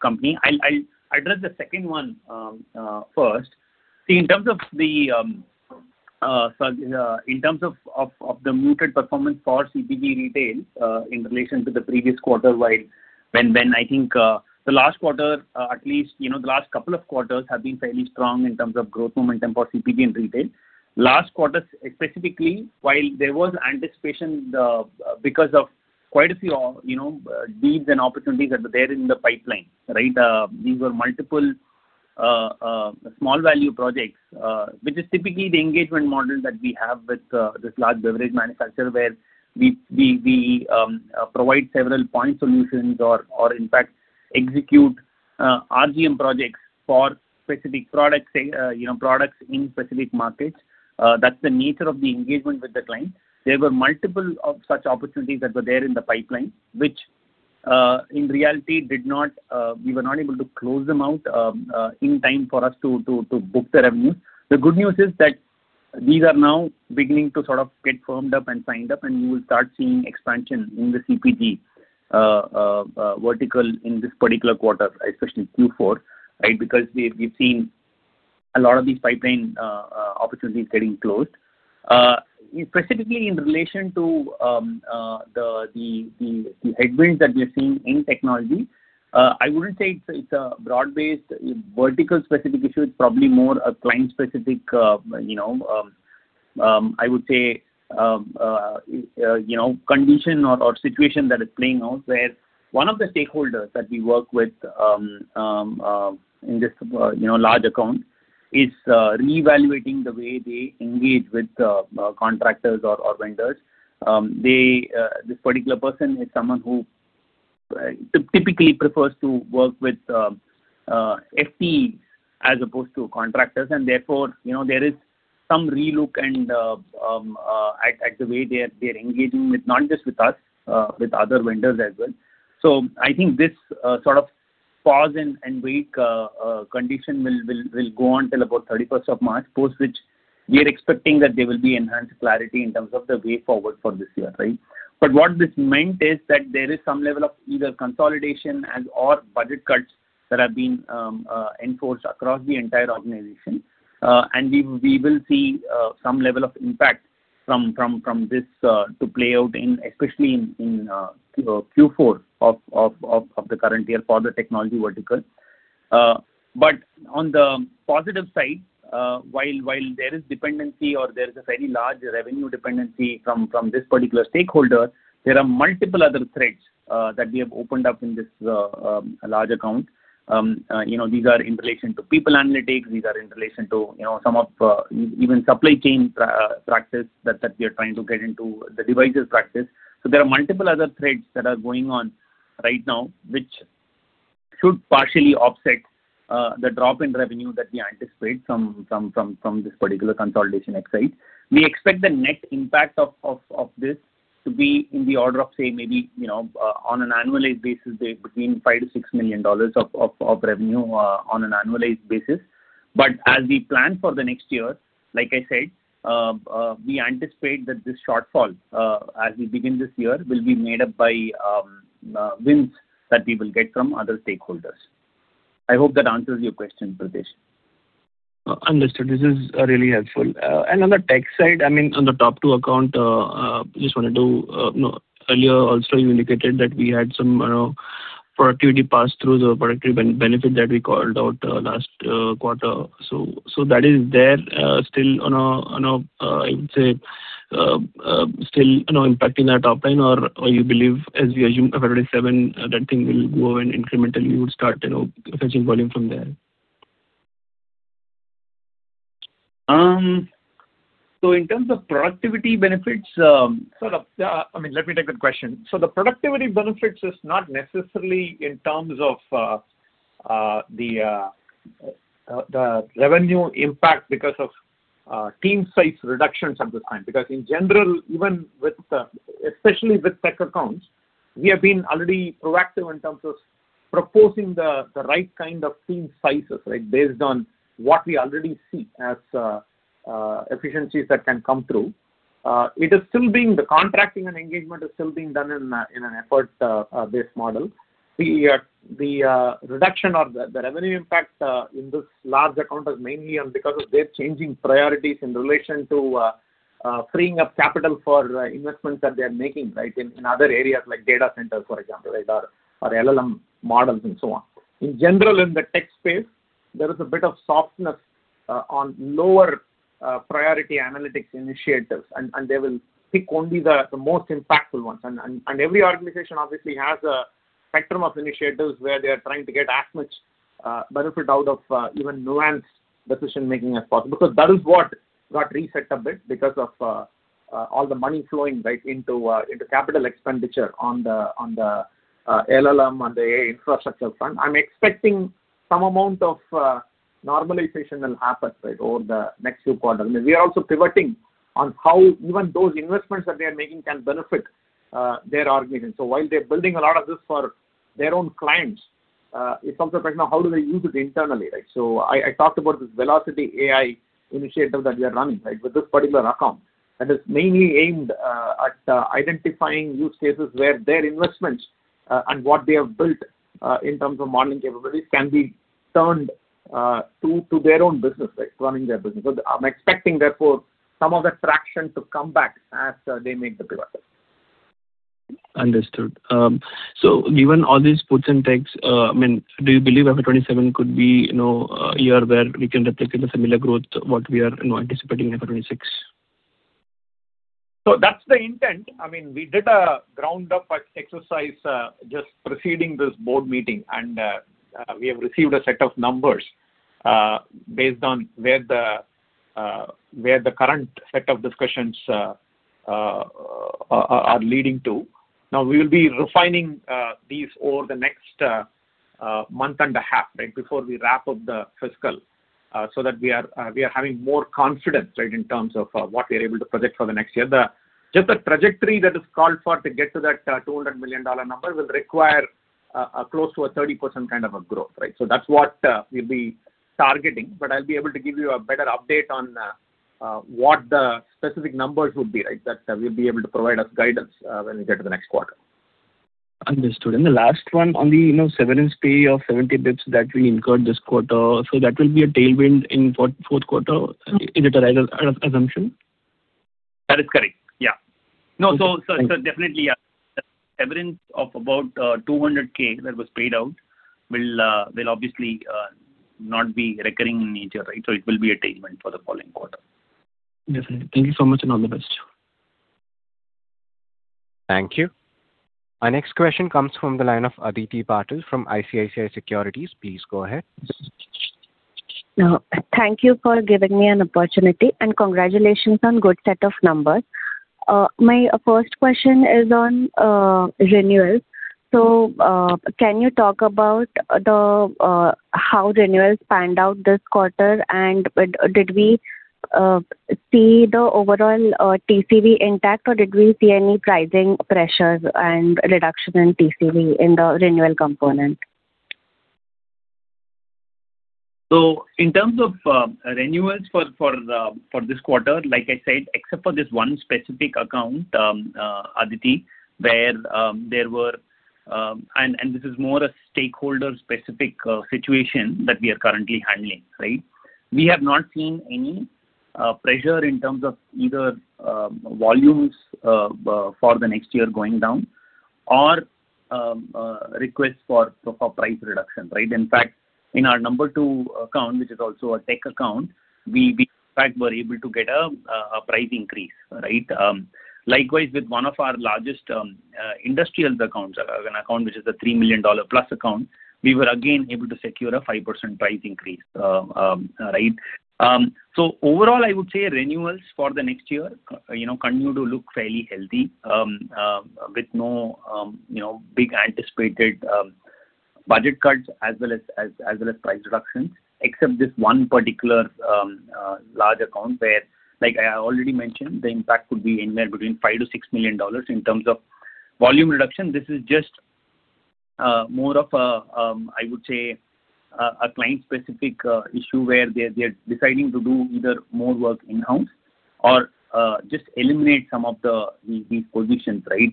company. I'll address the second one, first. See, in terms of the sluggishness in terms of the muted performance for CPG retail, in relation to the previous quarter while when I think the last quarter, at least, you know, the last couple of quarters have been fairly strong in terms of growth momentum for CPG in retail. Last quarters specifically, while there was anticipation, because of quite a few, you know, deals and opportunities that were there in the pipeline, right, these were multiple, small value projects, which is typically the engagement model that we have with this large beverage manufacturer where we provide several point solutions or, in fact, execute RGM projects for specific products, you know, products in specific markets. That's the nature of the engagement with the client. There were multiple of such opportunities that were there in the pipeline, which, in reality, did not, we were not able to close them out in time for us to book the revenues. The good news is that these are now beginning to sort of get firmed up and signed up. You will start seeing expansion in the CPG vertical in this particular quarter, especially Q4, right, because we've seen a lot of these pipeline opportunities getting closed. Specifically in relation to the headwinds that we are seeing in technology, I wouldn't say it's a broad-based vertical specific issue. It's probably more a client-specific, you know, I would say, you know, condition or situation that is playing out where one of the stakeholders that we work with in this, you know, large account is reevaluating the way they engage with contractors or vendors. This particular person is someone who typically prefers to work with FTEs as opposed to contractors. And therefore, you know, there is some relook at the way they're engaging with not just with us, with other vendors as well. So I think this sort of pause and wait condition will go on till about 31st of March, post which we are expecting that there will be enhanced clarity in terms of the way forward for this year, right? But what this meant is that there is some level of either consolidation as or budget cuts that have been enforced across the entire organization. And we will see some level of impact from this to play out in especially in Q4 of the current year for the technology vertical. But on the positive side, while there is dependency or there is a very large revenue dependency from this particular stakeholder, there are multiple other threads that we have opened up in this large account. You know, these are in relation to people analytics. These are in relation to, you know, some of, even supply chain practice that we are trying to get into, the devices practice. So there are multiple other threads that are going on right now, which should partially offset the drop in revenue that we anticipate from this particular consolidation exercise. We expect the net impact of this to be in the order of, say, maybe, you know, on an annualized basis, between $5 million-$6 million of revenue, on an annualized basis. But as we plan for the next year, like I said, we anticipate that this shortfall, as we begin this year, will be made up by wins that we will get from other stakeholders. I hope that answers your question, Prithesh. Understood. This is really helpful. And on the tech side, I mean, on the top two account, just wanted to, you know, earlier also, you indicated that we had some, you know, productivity pass-throughs or productivity benefit that we called out last quarter. So that is there still on a, I would say, still, you know, impacting our top line? Or you believe as we assume FY 2027, that thing will go away and incrementally you would start, you know, fetching volume from there? So in terms of productivity benefits, I mean, let me take that question. So the productivity benefits is not necessarily in terms of the revenue impact because of team size reductions at this time. Because in general, even with, especially with tech accounts, we have been already proactive in terms of proposing the right kind of team sizes, right, based on what we already see as efficiencies that can come through. The contracting and engagement is still being done in an effort-based model. The reduction or the revenue impact in this large account is mainly on because of their changing priorities in relation to freeing up capital for investments that they are making, right, in other areas like data centers, for example, right, or LLM models and so on. In general, in the tech space, there is a bit of softness on lower priority analytics initiatives. They will pick only the most impactful ones. Every organization obviously has a spectrum of initiatives where they are trying to get as much benefit out of even nuanced decision-making as possible. Because that is what got reset a bit because of all the money flowing right into capital expenditure on the LLM on the AI infrastructure front. I'm expecting some amount of normalization will happen right over the next few quarters. I mean, we are also pivoting on how even those investments that they are making can benefit their organization. So while they're building a lot of this for their own clients, it's also a question of how do they use it internally right? So, I talked about this Velocity AI initiative that we are running, right, with this particular account that is mainly aimed at identifying use cases where their investments and what they have built, in terms of modeling capabilities, can be turned to their own business, right, running their business. So, I'm expecting, therefore, some of that traction to come back as they make the pivotal. Understood. So given all these puts and takes, I mean, do you believe FY 2027 could be, you know, a year where we can replicate a similar growth to what we are, you know, anticipating in FY 2026? So that's the intent. I mean, we did a ground-up exercise, just preceding this board meeting. And we have received a set of numbers, based on where the current set of discussions are leading to. Now, we will be refining these over the next month and a half, right, before we wrap up the fiscal, so that we are having more confidence, right, in terms of what we are able to project for the next year. The just the trajectory that is called for to get to that $200 million number will require close to a 30% kind of a growth, right? So that's what we'll be targeting. But I'll be able to give you a better update on what the specific numbers would be, right, that will be able to provide us guidance, when we get to the next quarter. Understood. And the last one on the, you know, severance pay of 70 bps that we incurred this quarter so that will be a tailwind in fourth quarter. Is it a right assumption? That is correct. Yeah. No, so definitely, yeah. The severance of about $200,000 that was paid out will obviously not be recurring in the next year, right? So it will be a tailwind for the following quarter. Definitely. Thank you so much, and all the best. Thank you. My next question comes from the line of Aditi Patil from ICICI Securities. Please go ahead. Thank you for giving me an opportunity. Congratulations on good set of numbers. My first question is on renewals. So, can you talk about how renewals panned out this quarter? And did we see the overall TCV intact? Or did we see any pricing pressures and reduction in TCV in the renewal component? So in terms of renewals for this quarter, like I said, except for this one specific account, Aditi, where there were, and this is more a stakeholder-specific situation that we are currently handling, right? We have not seen any pressure in terms of either volumes for the next year going down or requests for price reduction, right? In fact, in our number two account, which is also a tech account, we in fact were able to get a price increase, right? Likewise, with one of our largest industrials accounts, an account which is a $3 million+ account, we were again able to secure a 5% price increase, right? So overall, I would say renewals for the next year, you know, continue to look fairly healthy, with no, you know, big anticipated budget cuts as well as price reductions, except this one particular large account where, like I already mentioned, the impact would be anywhere between $5 million-$6 million in terms of volume reduction. This is just more of a, I would say, a client-specific issue where they're deciding to do either more work in-house or just eliminate some of the these positions, right,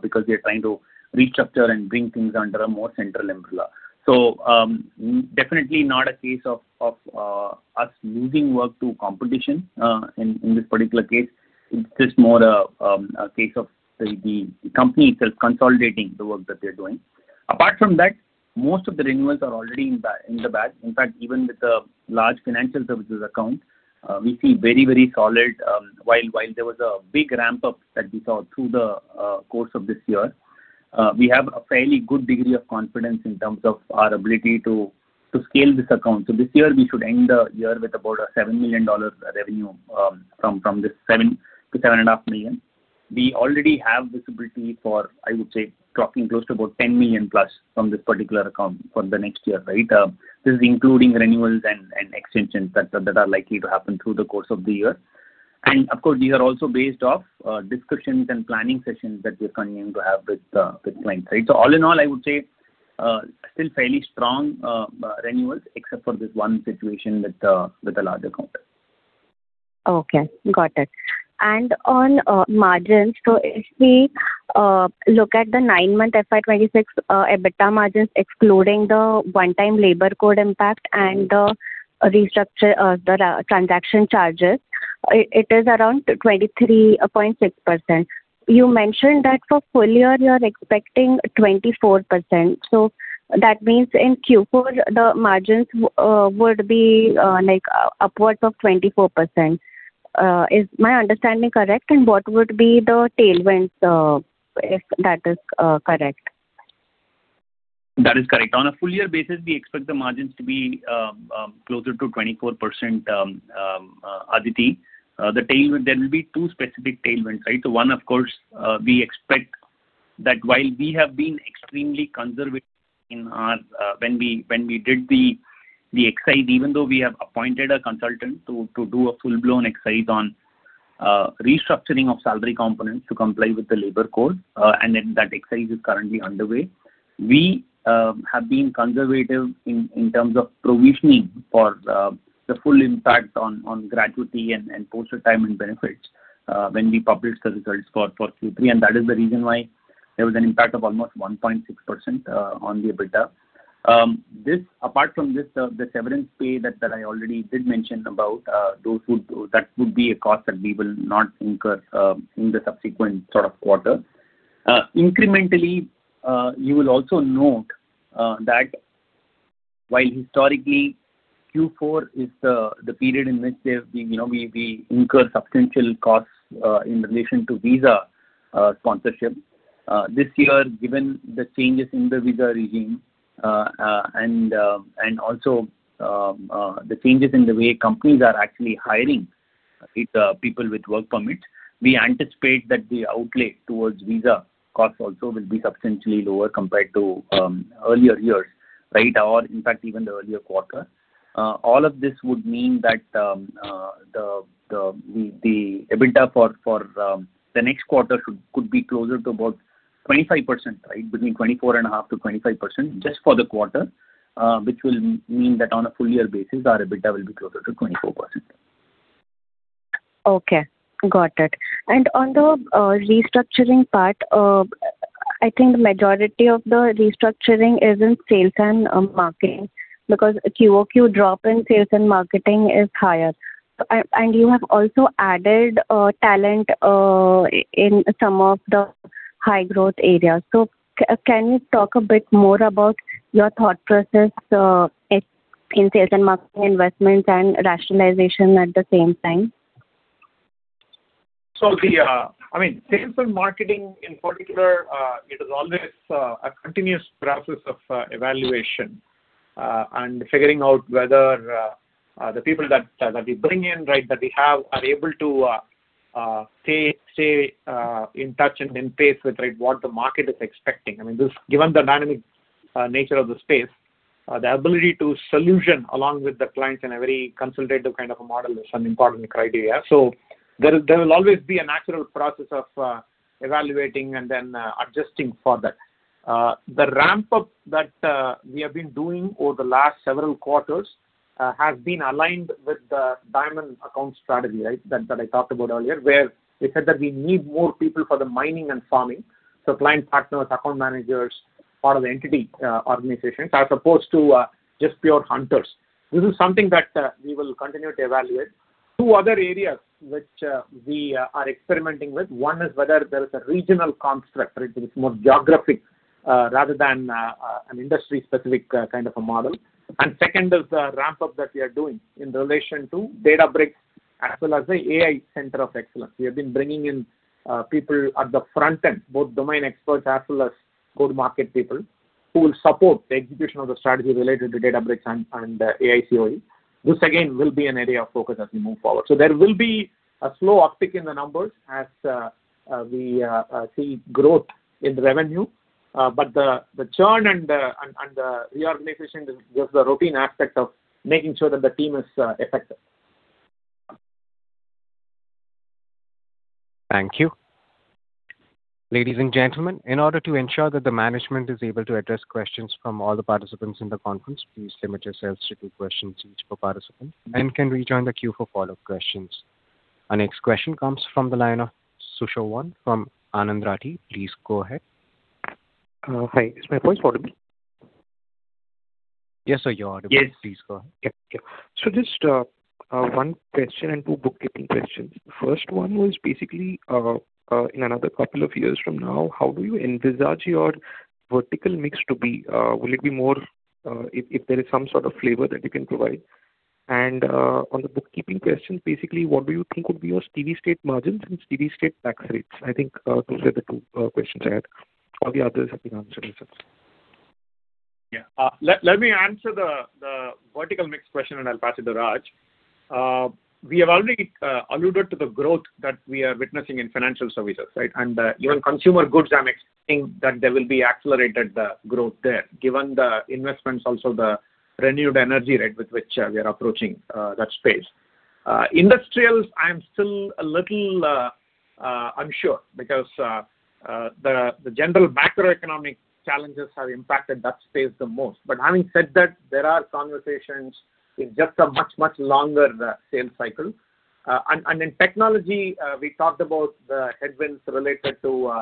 because they are trying to restructure and bring things under a more central umbrella. So, definitely not a case of us losing work to competition in this particular case. It's just more a case of the company itself consolidating the work that they're doing. Apart from that, most of the renewals are already in the bag. In fact, even with the large financial services account, we see very, very solid while there was a big ramp-up that we saw through the course of this year, we have a fairly good degree of confidence in terms of our ability to scale this account. So this year, we should end the year with about $7 million revenue from this $7 million-$7.5 million. We already have visibility for, I would say, clocking close to about $10 million-plus from this particular account for the next year, right? This is including renewals and extensions that are likely to happen through the course of the year. And of course, these are also based off discussions and planning sessions that we are continuing to have with clients, right? So all in all, I would say, still fairly strong, renewals except for this one situation with the large account. Okay. Got it. And on margins, so if we look at the nine-month FY 2026 EBITDA margins excluding the one-time labor code impact and the restructure, the transaction charges, it is around 23.6%. You mentioned that for full year, you are expecting 24%. So that means in Q4, the margins would be like upwards of 24%. Is my understanding correct? And what would be the tailwinds, if that is correct? That is correct. On a full year basis, we expect the margins to be closer to 24%, Aditi. The tailwind there will be two specific tailwinds, right? So one, of course, we expect that while we have been extremely conservative in our, when we did the exercise, even though we have appointed a consultant to do a full-blown exercise on restructuring of salary components to comply with the labor code, and that exercise is currently underway, we have been conservative in terms of provisioning for the full impact on gratuity and post-retirement benefits, when we published the results for Q3. And that is the reason why there was an impact of almost 1.6% on the EBITDA. This apart from this, the severance pay that I already did mention about, those would be a cost that we will not incur in the subsequent sort of quarter. Incrementally, you will also note that while historically, Q4 is the period in which they have been, you know, we incur substantial costs in relation to visa sponsorship, this year, given the changes in the visa regime and also the changes in the way companies are actually hiring, right, people with work permits, we anticipate that the outlay towards visa costs also will be substantially lower compared to earlier years, right, or in fact, even the earlier quarter. All of this would mean that the EBITDA for the next quarter should could be closer to about 25%, right, between 24.5%-25% just for the quarter, which will mean that on a full-year basis, our EBITDA will be closer to 24%. Okay. Got it. And on the restructuring part, I think the majority of the restructuring is in sales and marketing because QoQ drop in sales and marketing is higher. So, and you have also added talent in some of the high-growth areas. So, can you talk a bit more about your thought process in sales and marketing investments and rationalization at the same time? So, I mean, sales and marketing in particular, it is always a continuous process of evaluation and figuring out whether the people that we bring in, right, that we have are able to stay in touch and in pace with, right, what the market is expecting. I mean, this, given the dynamic nature of the space, the ability to solution along with the clients in a very consultative kind of a model is an important criteria. So there will always be a natural process of evaluating and then adjusting for that. The ramp-up that we have been doing over the last several quarters has been aligned with the Diamond Account Strategy, right, that that I talked about earlier, where we said that we need more people for the mining and farming, so client partners, account managers, part of the entity organizations as opposed to just pure hunters. This is something that we will continue to evaluate. Two other areas which we are experimenting with. One is whether there is a regional construct, right, which is more geographic rather than an industry-specific kind of a model. And second is the ramp-up that we are doing in relation to Databricks as well as the AI Center of Excellence. We have been bringing in people at the front end, both domain experts as well as go-to-market people, who will support the execution of the strategy related to Databricks and AICoE. This, again, will be an area of focus as we move forward. So there will be a slow uptick in the numbers as we see growth in the revenue. But the churn and the reorganization is just the routine aspect of making sure that the team is effective. Thank you. Ladies and gentlemen, in order to ensure that the management is able to address questions from all the participants in the conference, please limit yourselves to two questions each per participant and can rejoin the queue for follow-up questions. Our next question comes from the line of Sushovan from Anand Rathi. Please go ahead. Hi. Is my voice audible? Yes, sir. You're audible. Yes. Please go ahead. Yeah. Yeah. So just one question and two bookkeeping questions. The first one was basically, in another couple of years from now, how do you envisage your vertical mix to be? Will it be more, if there is some sort of flavor that you can provide? And on the bookkeeping questions, basically, what do you think would be your steady state margins and steady state tax rates? I think those are the two questions I had. All the others have been answered in essence. Yeah. Let me answer the vertical mix question, and I'll pass it to Raj. We have already alluded to the growth that we are witnessing in financial services, right? And even consumer goods, I'm expecting that there will be accelerated growth there given the investments, also the renewed energy, right, with which we are approaching that space. Industrials, I am still a little unsure because the general macroeconomic challenges have impacted that space the most. But having said that, there are conversations in just a much longer sales cycle. And in technology, we talked about the headwinds related to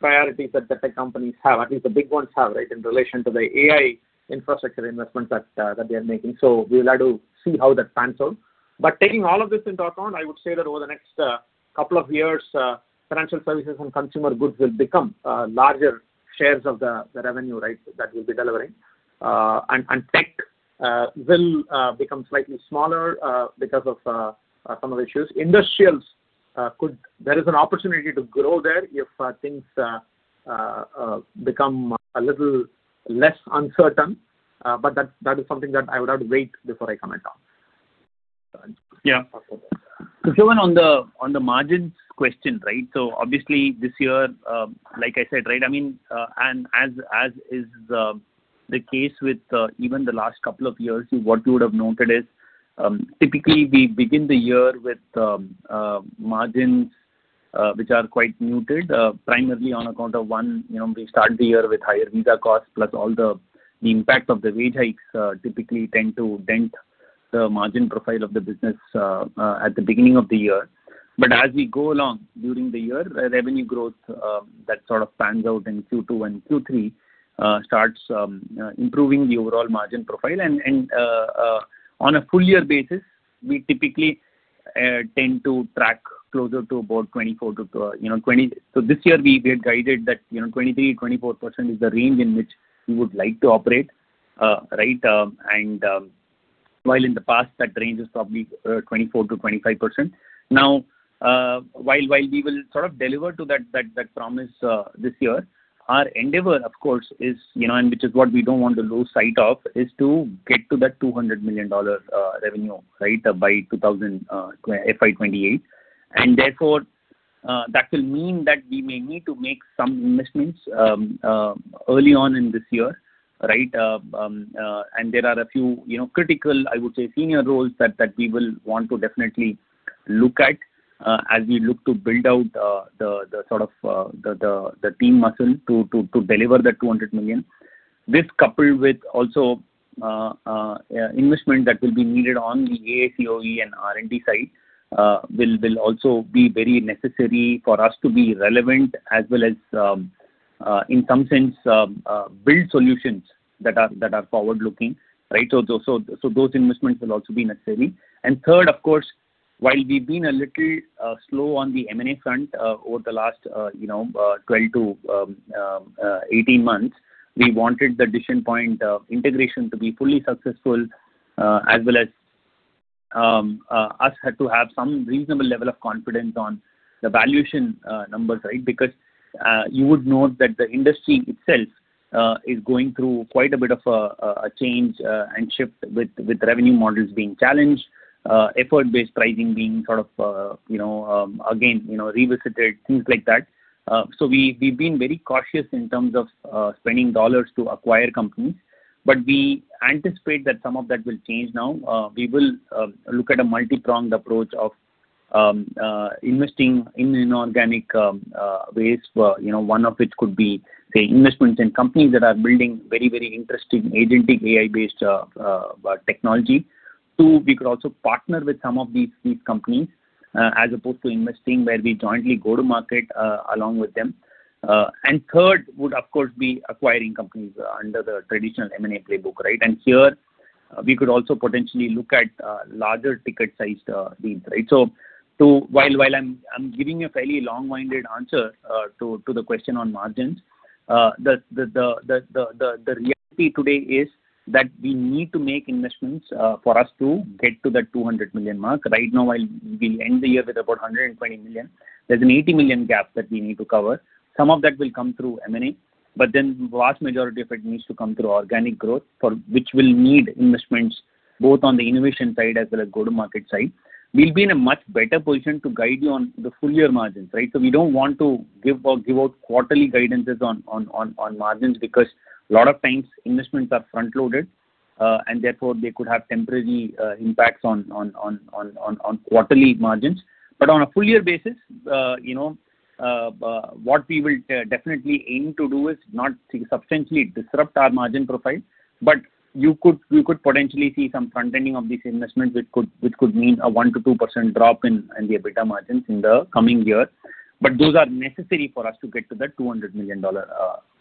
priorities that tech companies have, at least the big ones have, right, in relation to the AI infrastructure investments that they are making. So we will have to see how that pans out. But taking all of this into account, I would say that over the next couple of years, financial services and consumer goods will become larger shares of the revenue, right, that we'll be delivering. And tech will become slightly smaller because of some of the issues. Industrials could. There is an opportunity to grow there if things become a little less uncertain. But that is something that I would have to wait before I comment on. Yeah. Sushavan, on the margins question, right, so obviously, this year, like I said, right, I mean, and as is the case with even the last couple of years, what you would have noted is, typically, we begin the year with margins, which are quite muted, primarily on account of one, you know, we start the year with higher visa costs plus all the impact of the wage hikes, typically tend to dent the margin profile of the business, at the beginning of the year. But as we go along during the year, revenue growth that sort of pans out in Q2 and Q3 starts improving the overall margin profile. On a full year basis, we typically tend to track closer to about 24-20, you know, so this year we are guided that, you know, 23%-24% is the range in which we would like to operate, right, and while in the past that range is probably 24%-25%. Now, while we will sort of deliver to that promise, this year our endeavor, of course, is you know, and which is what we don't want to lose sight of, is to get to that $200 million revenue, right, by 2000, FY 2028. Therefore, that will mean that we may need to make some investments early on in this year, right, and there are a few, you know, critical, I would say, senior roles that we will want to definitely look at, as we look to build out the sort of team muscle to deliver that $200 million. This coupled with also investment that will be needed on the AICoE and R&D side will also be very necessary for us to be relevant as well as, in some sense, build solutions that are forward-looking, right? So those investments will also be necessary. And third, of course, while we've been a little slow on the M&A front, over the last, you know, 12-18 months, we wanted the Decision Point integration to be fully successful, as well as us had to have some reasonable level of confidence on the valuation numbers, right, because you would note that the industry itself is going through quite a bit of a change and shift with revenue models being challenged, effort-based pricing being sort of, you know, again, you know, revisited, things like that. So we've been very cautious in terms of spending dollars to acquire companies. But we anticipate that some of that will change now. We will look at a multipronged approach of investing in organic ways, you know, one of which could be, say, investments in companies that are building very, very interesting agentic AI-based technology. Two, we could also partner with some of these, these companies, as opposed to investing where we jointly go to market, along with them. And third would, of course, be acquiring companies, under the traditional M&A playbook, right? And here, we could also potentially look at, larger ticket-sized, deals, right? So while I'm giving a fairly long-winded answer, to the question on margins, the reality today is that we need to make investments, for us to get to that $200 million mark. Right now, while we end the year with about $120 million, there's an $80 million gap that we need to cover. Some of that will come through M&A. But then the vast majority of it needs to come through organic growth for which we'll need investments both on the innovation side as well as go-to-market side. We'll be in a much better position to guide you on the full year margins, right? So we don't want to give out quarterly guidances on margins because a lot of times, investments are front-loaded, and therefore, they could have temporary impacts on quarterly margins. But on a full year basis, you know, what we will definitely aim to do is not substantially disrupt our margin profile. But we could potentially see some front-ending of these investments, which could mean a 1%-2% drop in the EBITDA margins in the coming year. But those are necessary for us to get to that $200 million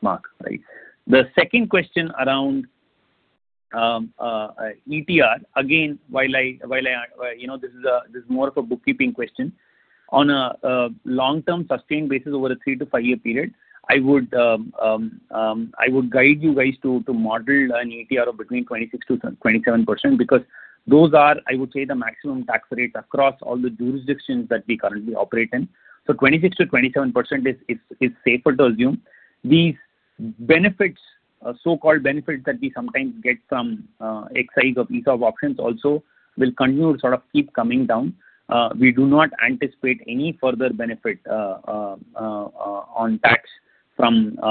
mark, right? The second question around ETR, again, while I, you know, this is more of a bookkeeping question. On a long-term, sustained basis over a three to five year period, I would guide you guys to model an ETR of between 26%-27% because those are, I would say, the maximum tax rates across all the jurisdictions that we currently operate in. So 26%-27% is safer to assume. These benefits, so-called benefits that we sometimes get from exercise of ESOP options also will continue to sort of keep coming down. We do not anticipate any further benefit on tax from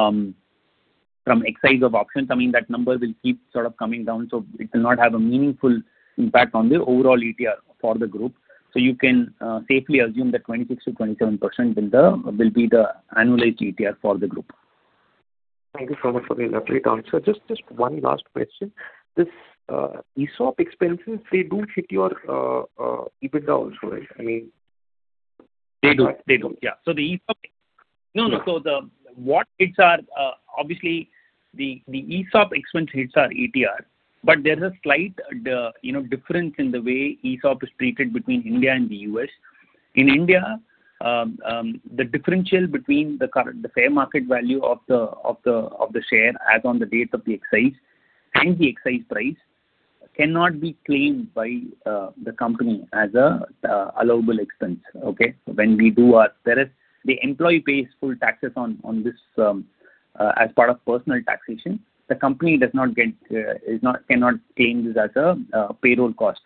exercise of options. I mean, that number will keep sort of coming down. So it will not have a meaningful impact on the overall ETR for the group. So you can safely assume that 26%-27% will be the annualized ETR for the group. Thank you so much for the elaborate answer. Just, just one last question. This, ESOP expenses, they do hit your, EBITDA also, right? I mean. They do. They do. Yeah. So the ESOP—no, no. So what hits are, obviously, the ESOP expense hits are ETR. But there's a slight, you know, difference in the way ESOP is treated between India and the U.S. In India, the differential between the current fair market value of the share as on the date of the exercise and the exercise price cannot be claimed by the company as an allowable expense, okay? When we do ours, the employee pays full taxes on this as part of personal taxation. The company does not get; it cannot claim this as a payroll cost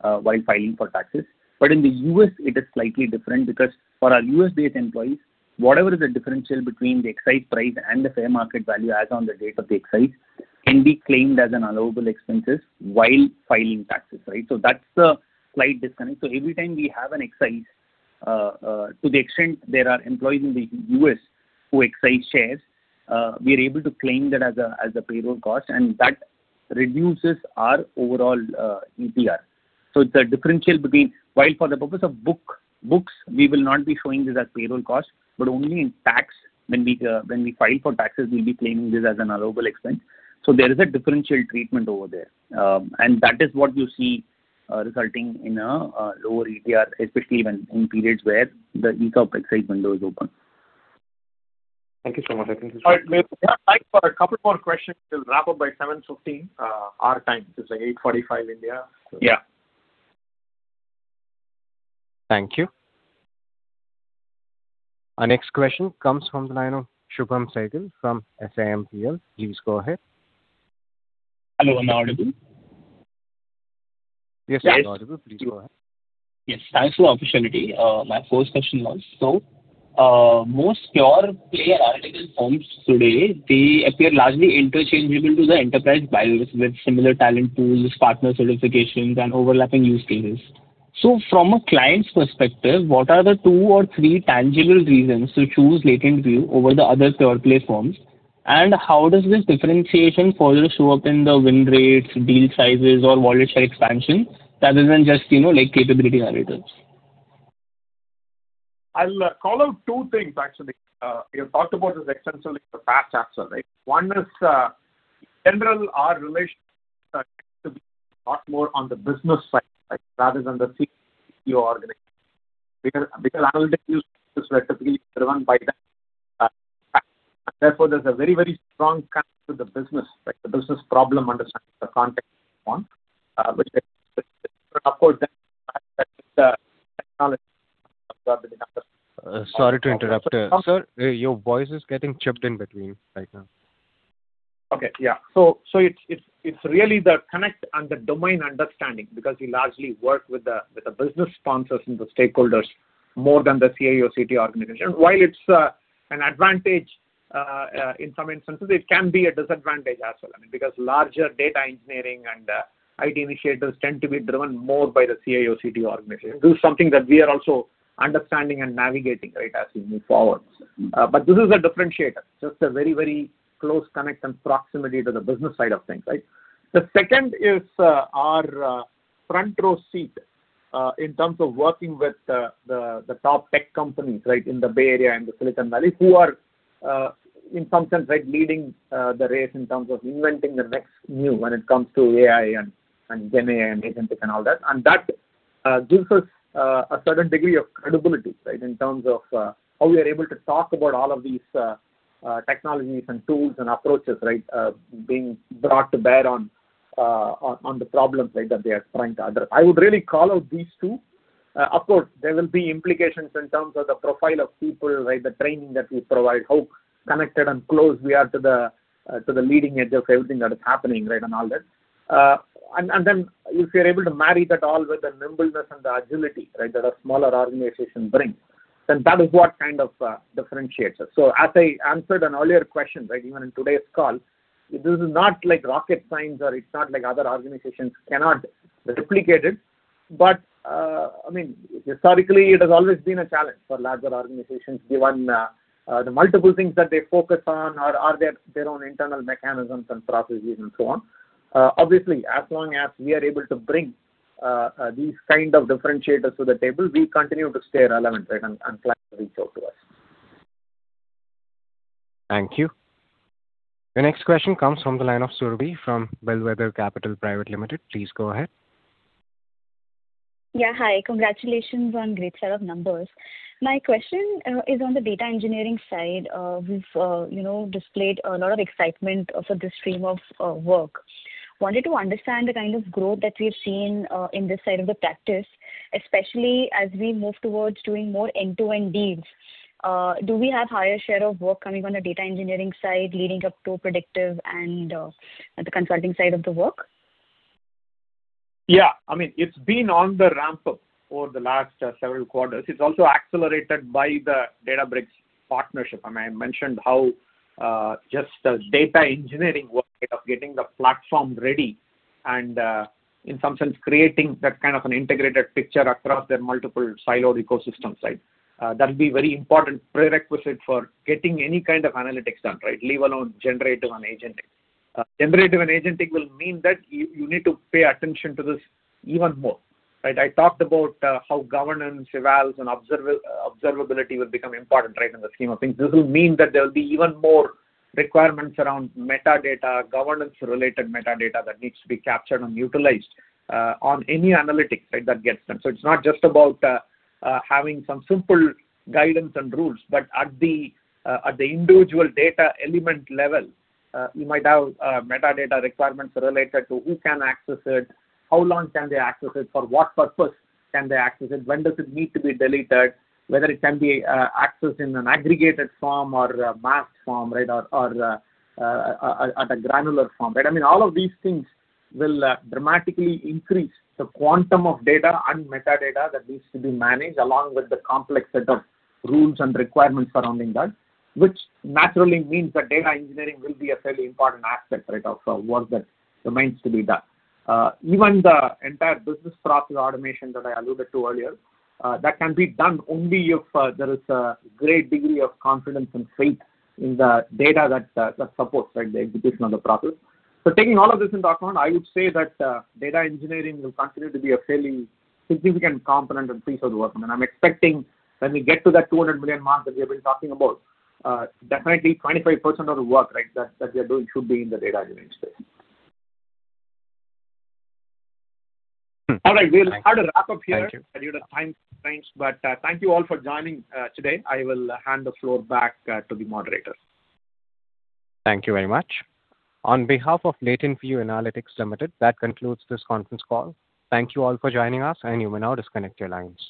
while filing for taxes. But in the U.S., it is slightly different because for our U.S.-based employees, whatever is the differential between the exercise price and the fair market value as on the date of the exercise can be claimed as an allowable expense while filing taxes, right? So that's the slight disconnect. So every time we have an exercise, to the extent there are employees in the U.S. who exercise shares, we are able to claim that as a payroll cost. And that reduces our overall ETR. So it's a differential between while for the purpose of books, we will not be showing this as payroll cost, but only in tax when we file for taxes, we'll be claiming this as an allowable expense. So there is a differential treatment over there. and that is what you see, resulting in a lower ETR, especially when in periods where the ESOP excise window is open. Thank you so much. I think this was. All right. We have time for a couple more questions. We'll wrap up by 7:15, our time. It's like 8:45 India. Yeah. Thank you. Our next question comes from the line of Shubham Sehgal from SIMPL. Please go ahead. Hello. Am I audible? Yes, sir. You're audible. Please go ahead. Yes. Thanks for the opportunity. My first question was, so, most pure play and Accenture-like firms today, they appear largely interchangeable to the enterprise buyers with similar talent pools, partner certifications, and overlapping use cases. So from a client's perspective, what are the two or three tangible reasons to LatentView over the other pure play firms? And how does this differentiation further show up in the win rates, deal sizes, or wallet share expansion rather than just, you know, like capability narratives? I'll call out two things, actually. You have talked about this essentially in the past answer, right? One is, in general, our relationships tend to be a lot more on the business side, right, rather than the CEO organization because analytics use is typically driven by that. Therefore, there's a very, very strong connection to the business, right, the business problem understanding, the context we want, which makes it different, of course, than the technology that we have become. Sorry to interrupt, sir. Your voice is getting chipped in between right now. Okay. Yeah. So, it's really the connect and the domain understanding because we largely work with the business sponsors and the stakeholders more than the CIO/CTO organization. While it's an advantage, in some instances, it can be a disadvantage as well, I mean, because larger data engineering and IT initiatives tend to be driven more by the CIO/CTO organization. This is something that we are also understanding and navigating, right, as we move forward. But this is a differentiator, just a very, very close connect and proximity to the business side of things, right? The second is our front-row seat in terms of working with the top tech companies, right, in the Bay Area and the Silicon Valley who are, in some sense, right, leading the race in terms of inventing the next new when it comes to AI and GenAI and Agentic and all that. And that gives us a certain degree of credibility, right, in terms of how we are able to talk about all of these technologies and tools and approaches, right, being brought to bear on the problems, right, that they are trying to address. I would really call out these two. Of course, there will be implications in terms of the profile of people, right, the training that we provide, how connected and close we are to the leading edge of everything that is happening, right, and all that. And then, if you're able to marry that all with the nimbleness and the agility, right, that a smaller organization brings, then that is what kind of differentiates us. So, as I answered an earlier question, right, even in today's call, this is not like rocket science, or it's not like other organizations cannot replicate it. But, I mean, historically, it has always been a challenge for larger organizations given the multiple things that they focus on or are their own internal mechanisms and processes and so on. Obviously, as long as we are able to bring these kind of differentiators to the table, we continue to stay relevant, right, and clients reach out to us. Thank you. Your next question comes from the line of Surbhi from Bellwether Capital Private Limited. Please go ahead. Yeah. Hi. Congratulations on a great set of numbers. My question is on the data engineering side. We've, you know, displayed a lot of excitement for this stream of work. Wanted to understand the kind of growth that we've seen in this side of the practice, especially as we move towards doing more end-to-end deals. Do we have a higher share of work coming on the data engineering side leading up to predictive and the consulting side of the work? Yeah. I mean, it's been on the ramp up over the last, several quarters. It's also accelerated by the Databricks partnership. I mean, I mentioned how, just the data engineering work of getting the platform ready and, in some sense, creating that kind of an integrated picture across their multiple siloed ecosystems, right, that'll be very important prerequisite for getting any kind of analytics done, right, leave alone generative and agentic. Generative and agentic will mean that you, you need to pay attention to this even more, right? I talked about, how governance evals and observability will become important, right, in the scheme of things. This will mean that there will be even more requirements around metadata, governance-related metadata that needs to be captured and utilized, on any analytics, right, that gets done. So it's not just about having some simple guidance and rules, but at the individual data element level, you might have metadata requirements related to who can access it, how long can they access it, for what purpose can they access it, when does it need to be deleted, whether it can be accessed in an aggregated form or a masked form, right, or at a granular form, right? I mean, all of these things will dramatically increase the quantum of data and metadata that needs to be managed along with the complex set of rules and requirements surrounding that, which naturally means that data engineering will be a fairly important aspect, right, of work that remains to be done. Even the entire business process automation that I alluded to earlier, that can be done only if there is a great degree of confidence and faith in the data that supports, right, the execution of the process. So taking all of this into account, I would say that data engineering will continue to be a fairly significant component and piece of the work. And I'm expecting when we get to that $200 million mark that we have been talking about, definitely 25% of the work, right, that we are doing should be in the data engineering space. All right. We'll try to wrap up here. Thank you. At your time constraints. Thank you all for joining today. I will hand the floor back to the moderator. Thank you very much. On behalf of Latent View Analytics Limited, that concludes this conference call. Thank you all for joining us. You may now disconnect your lines.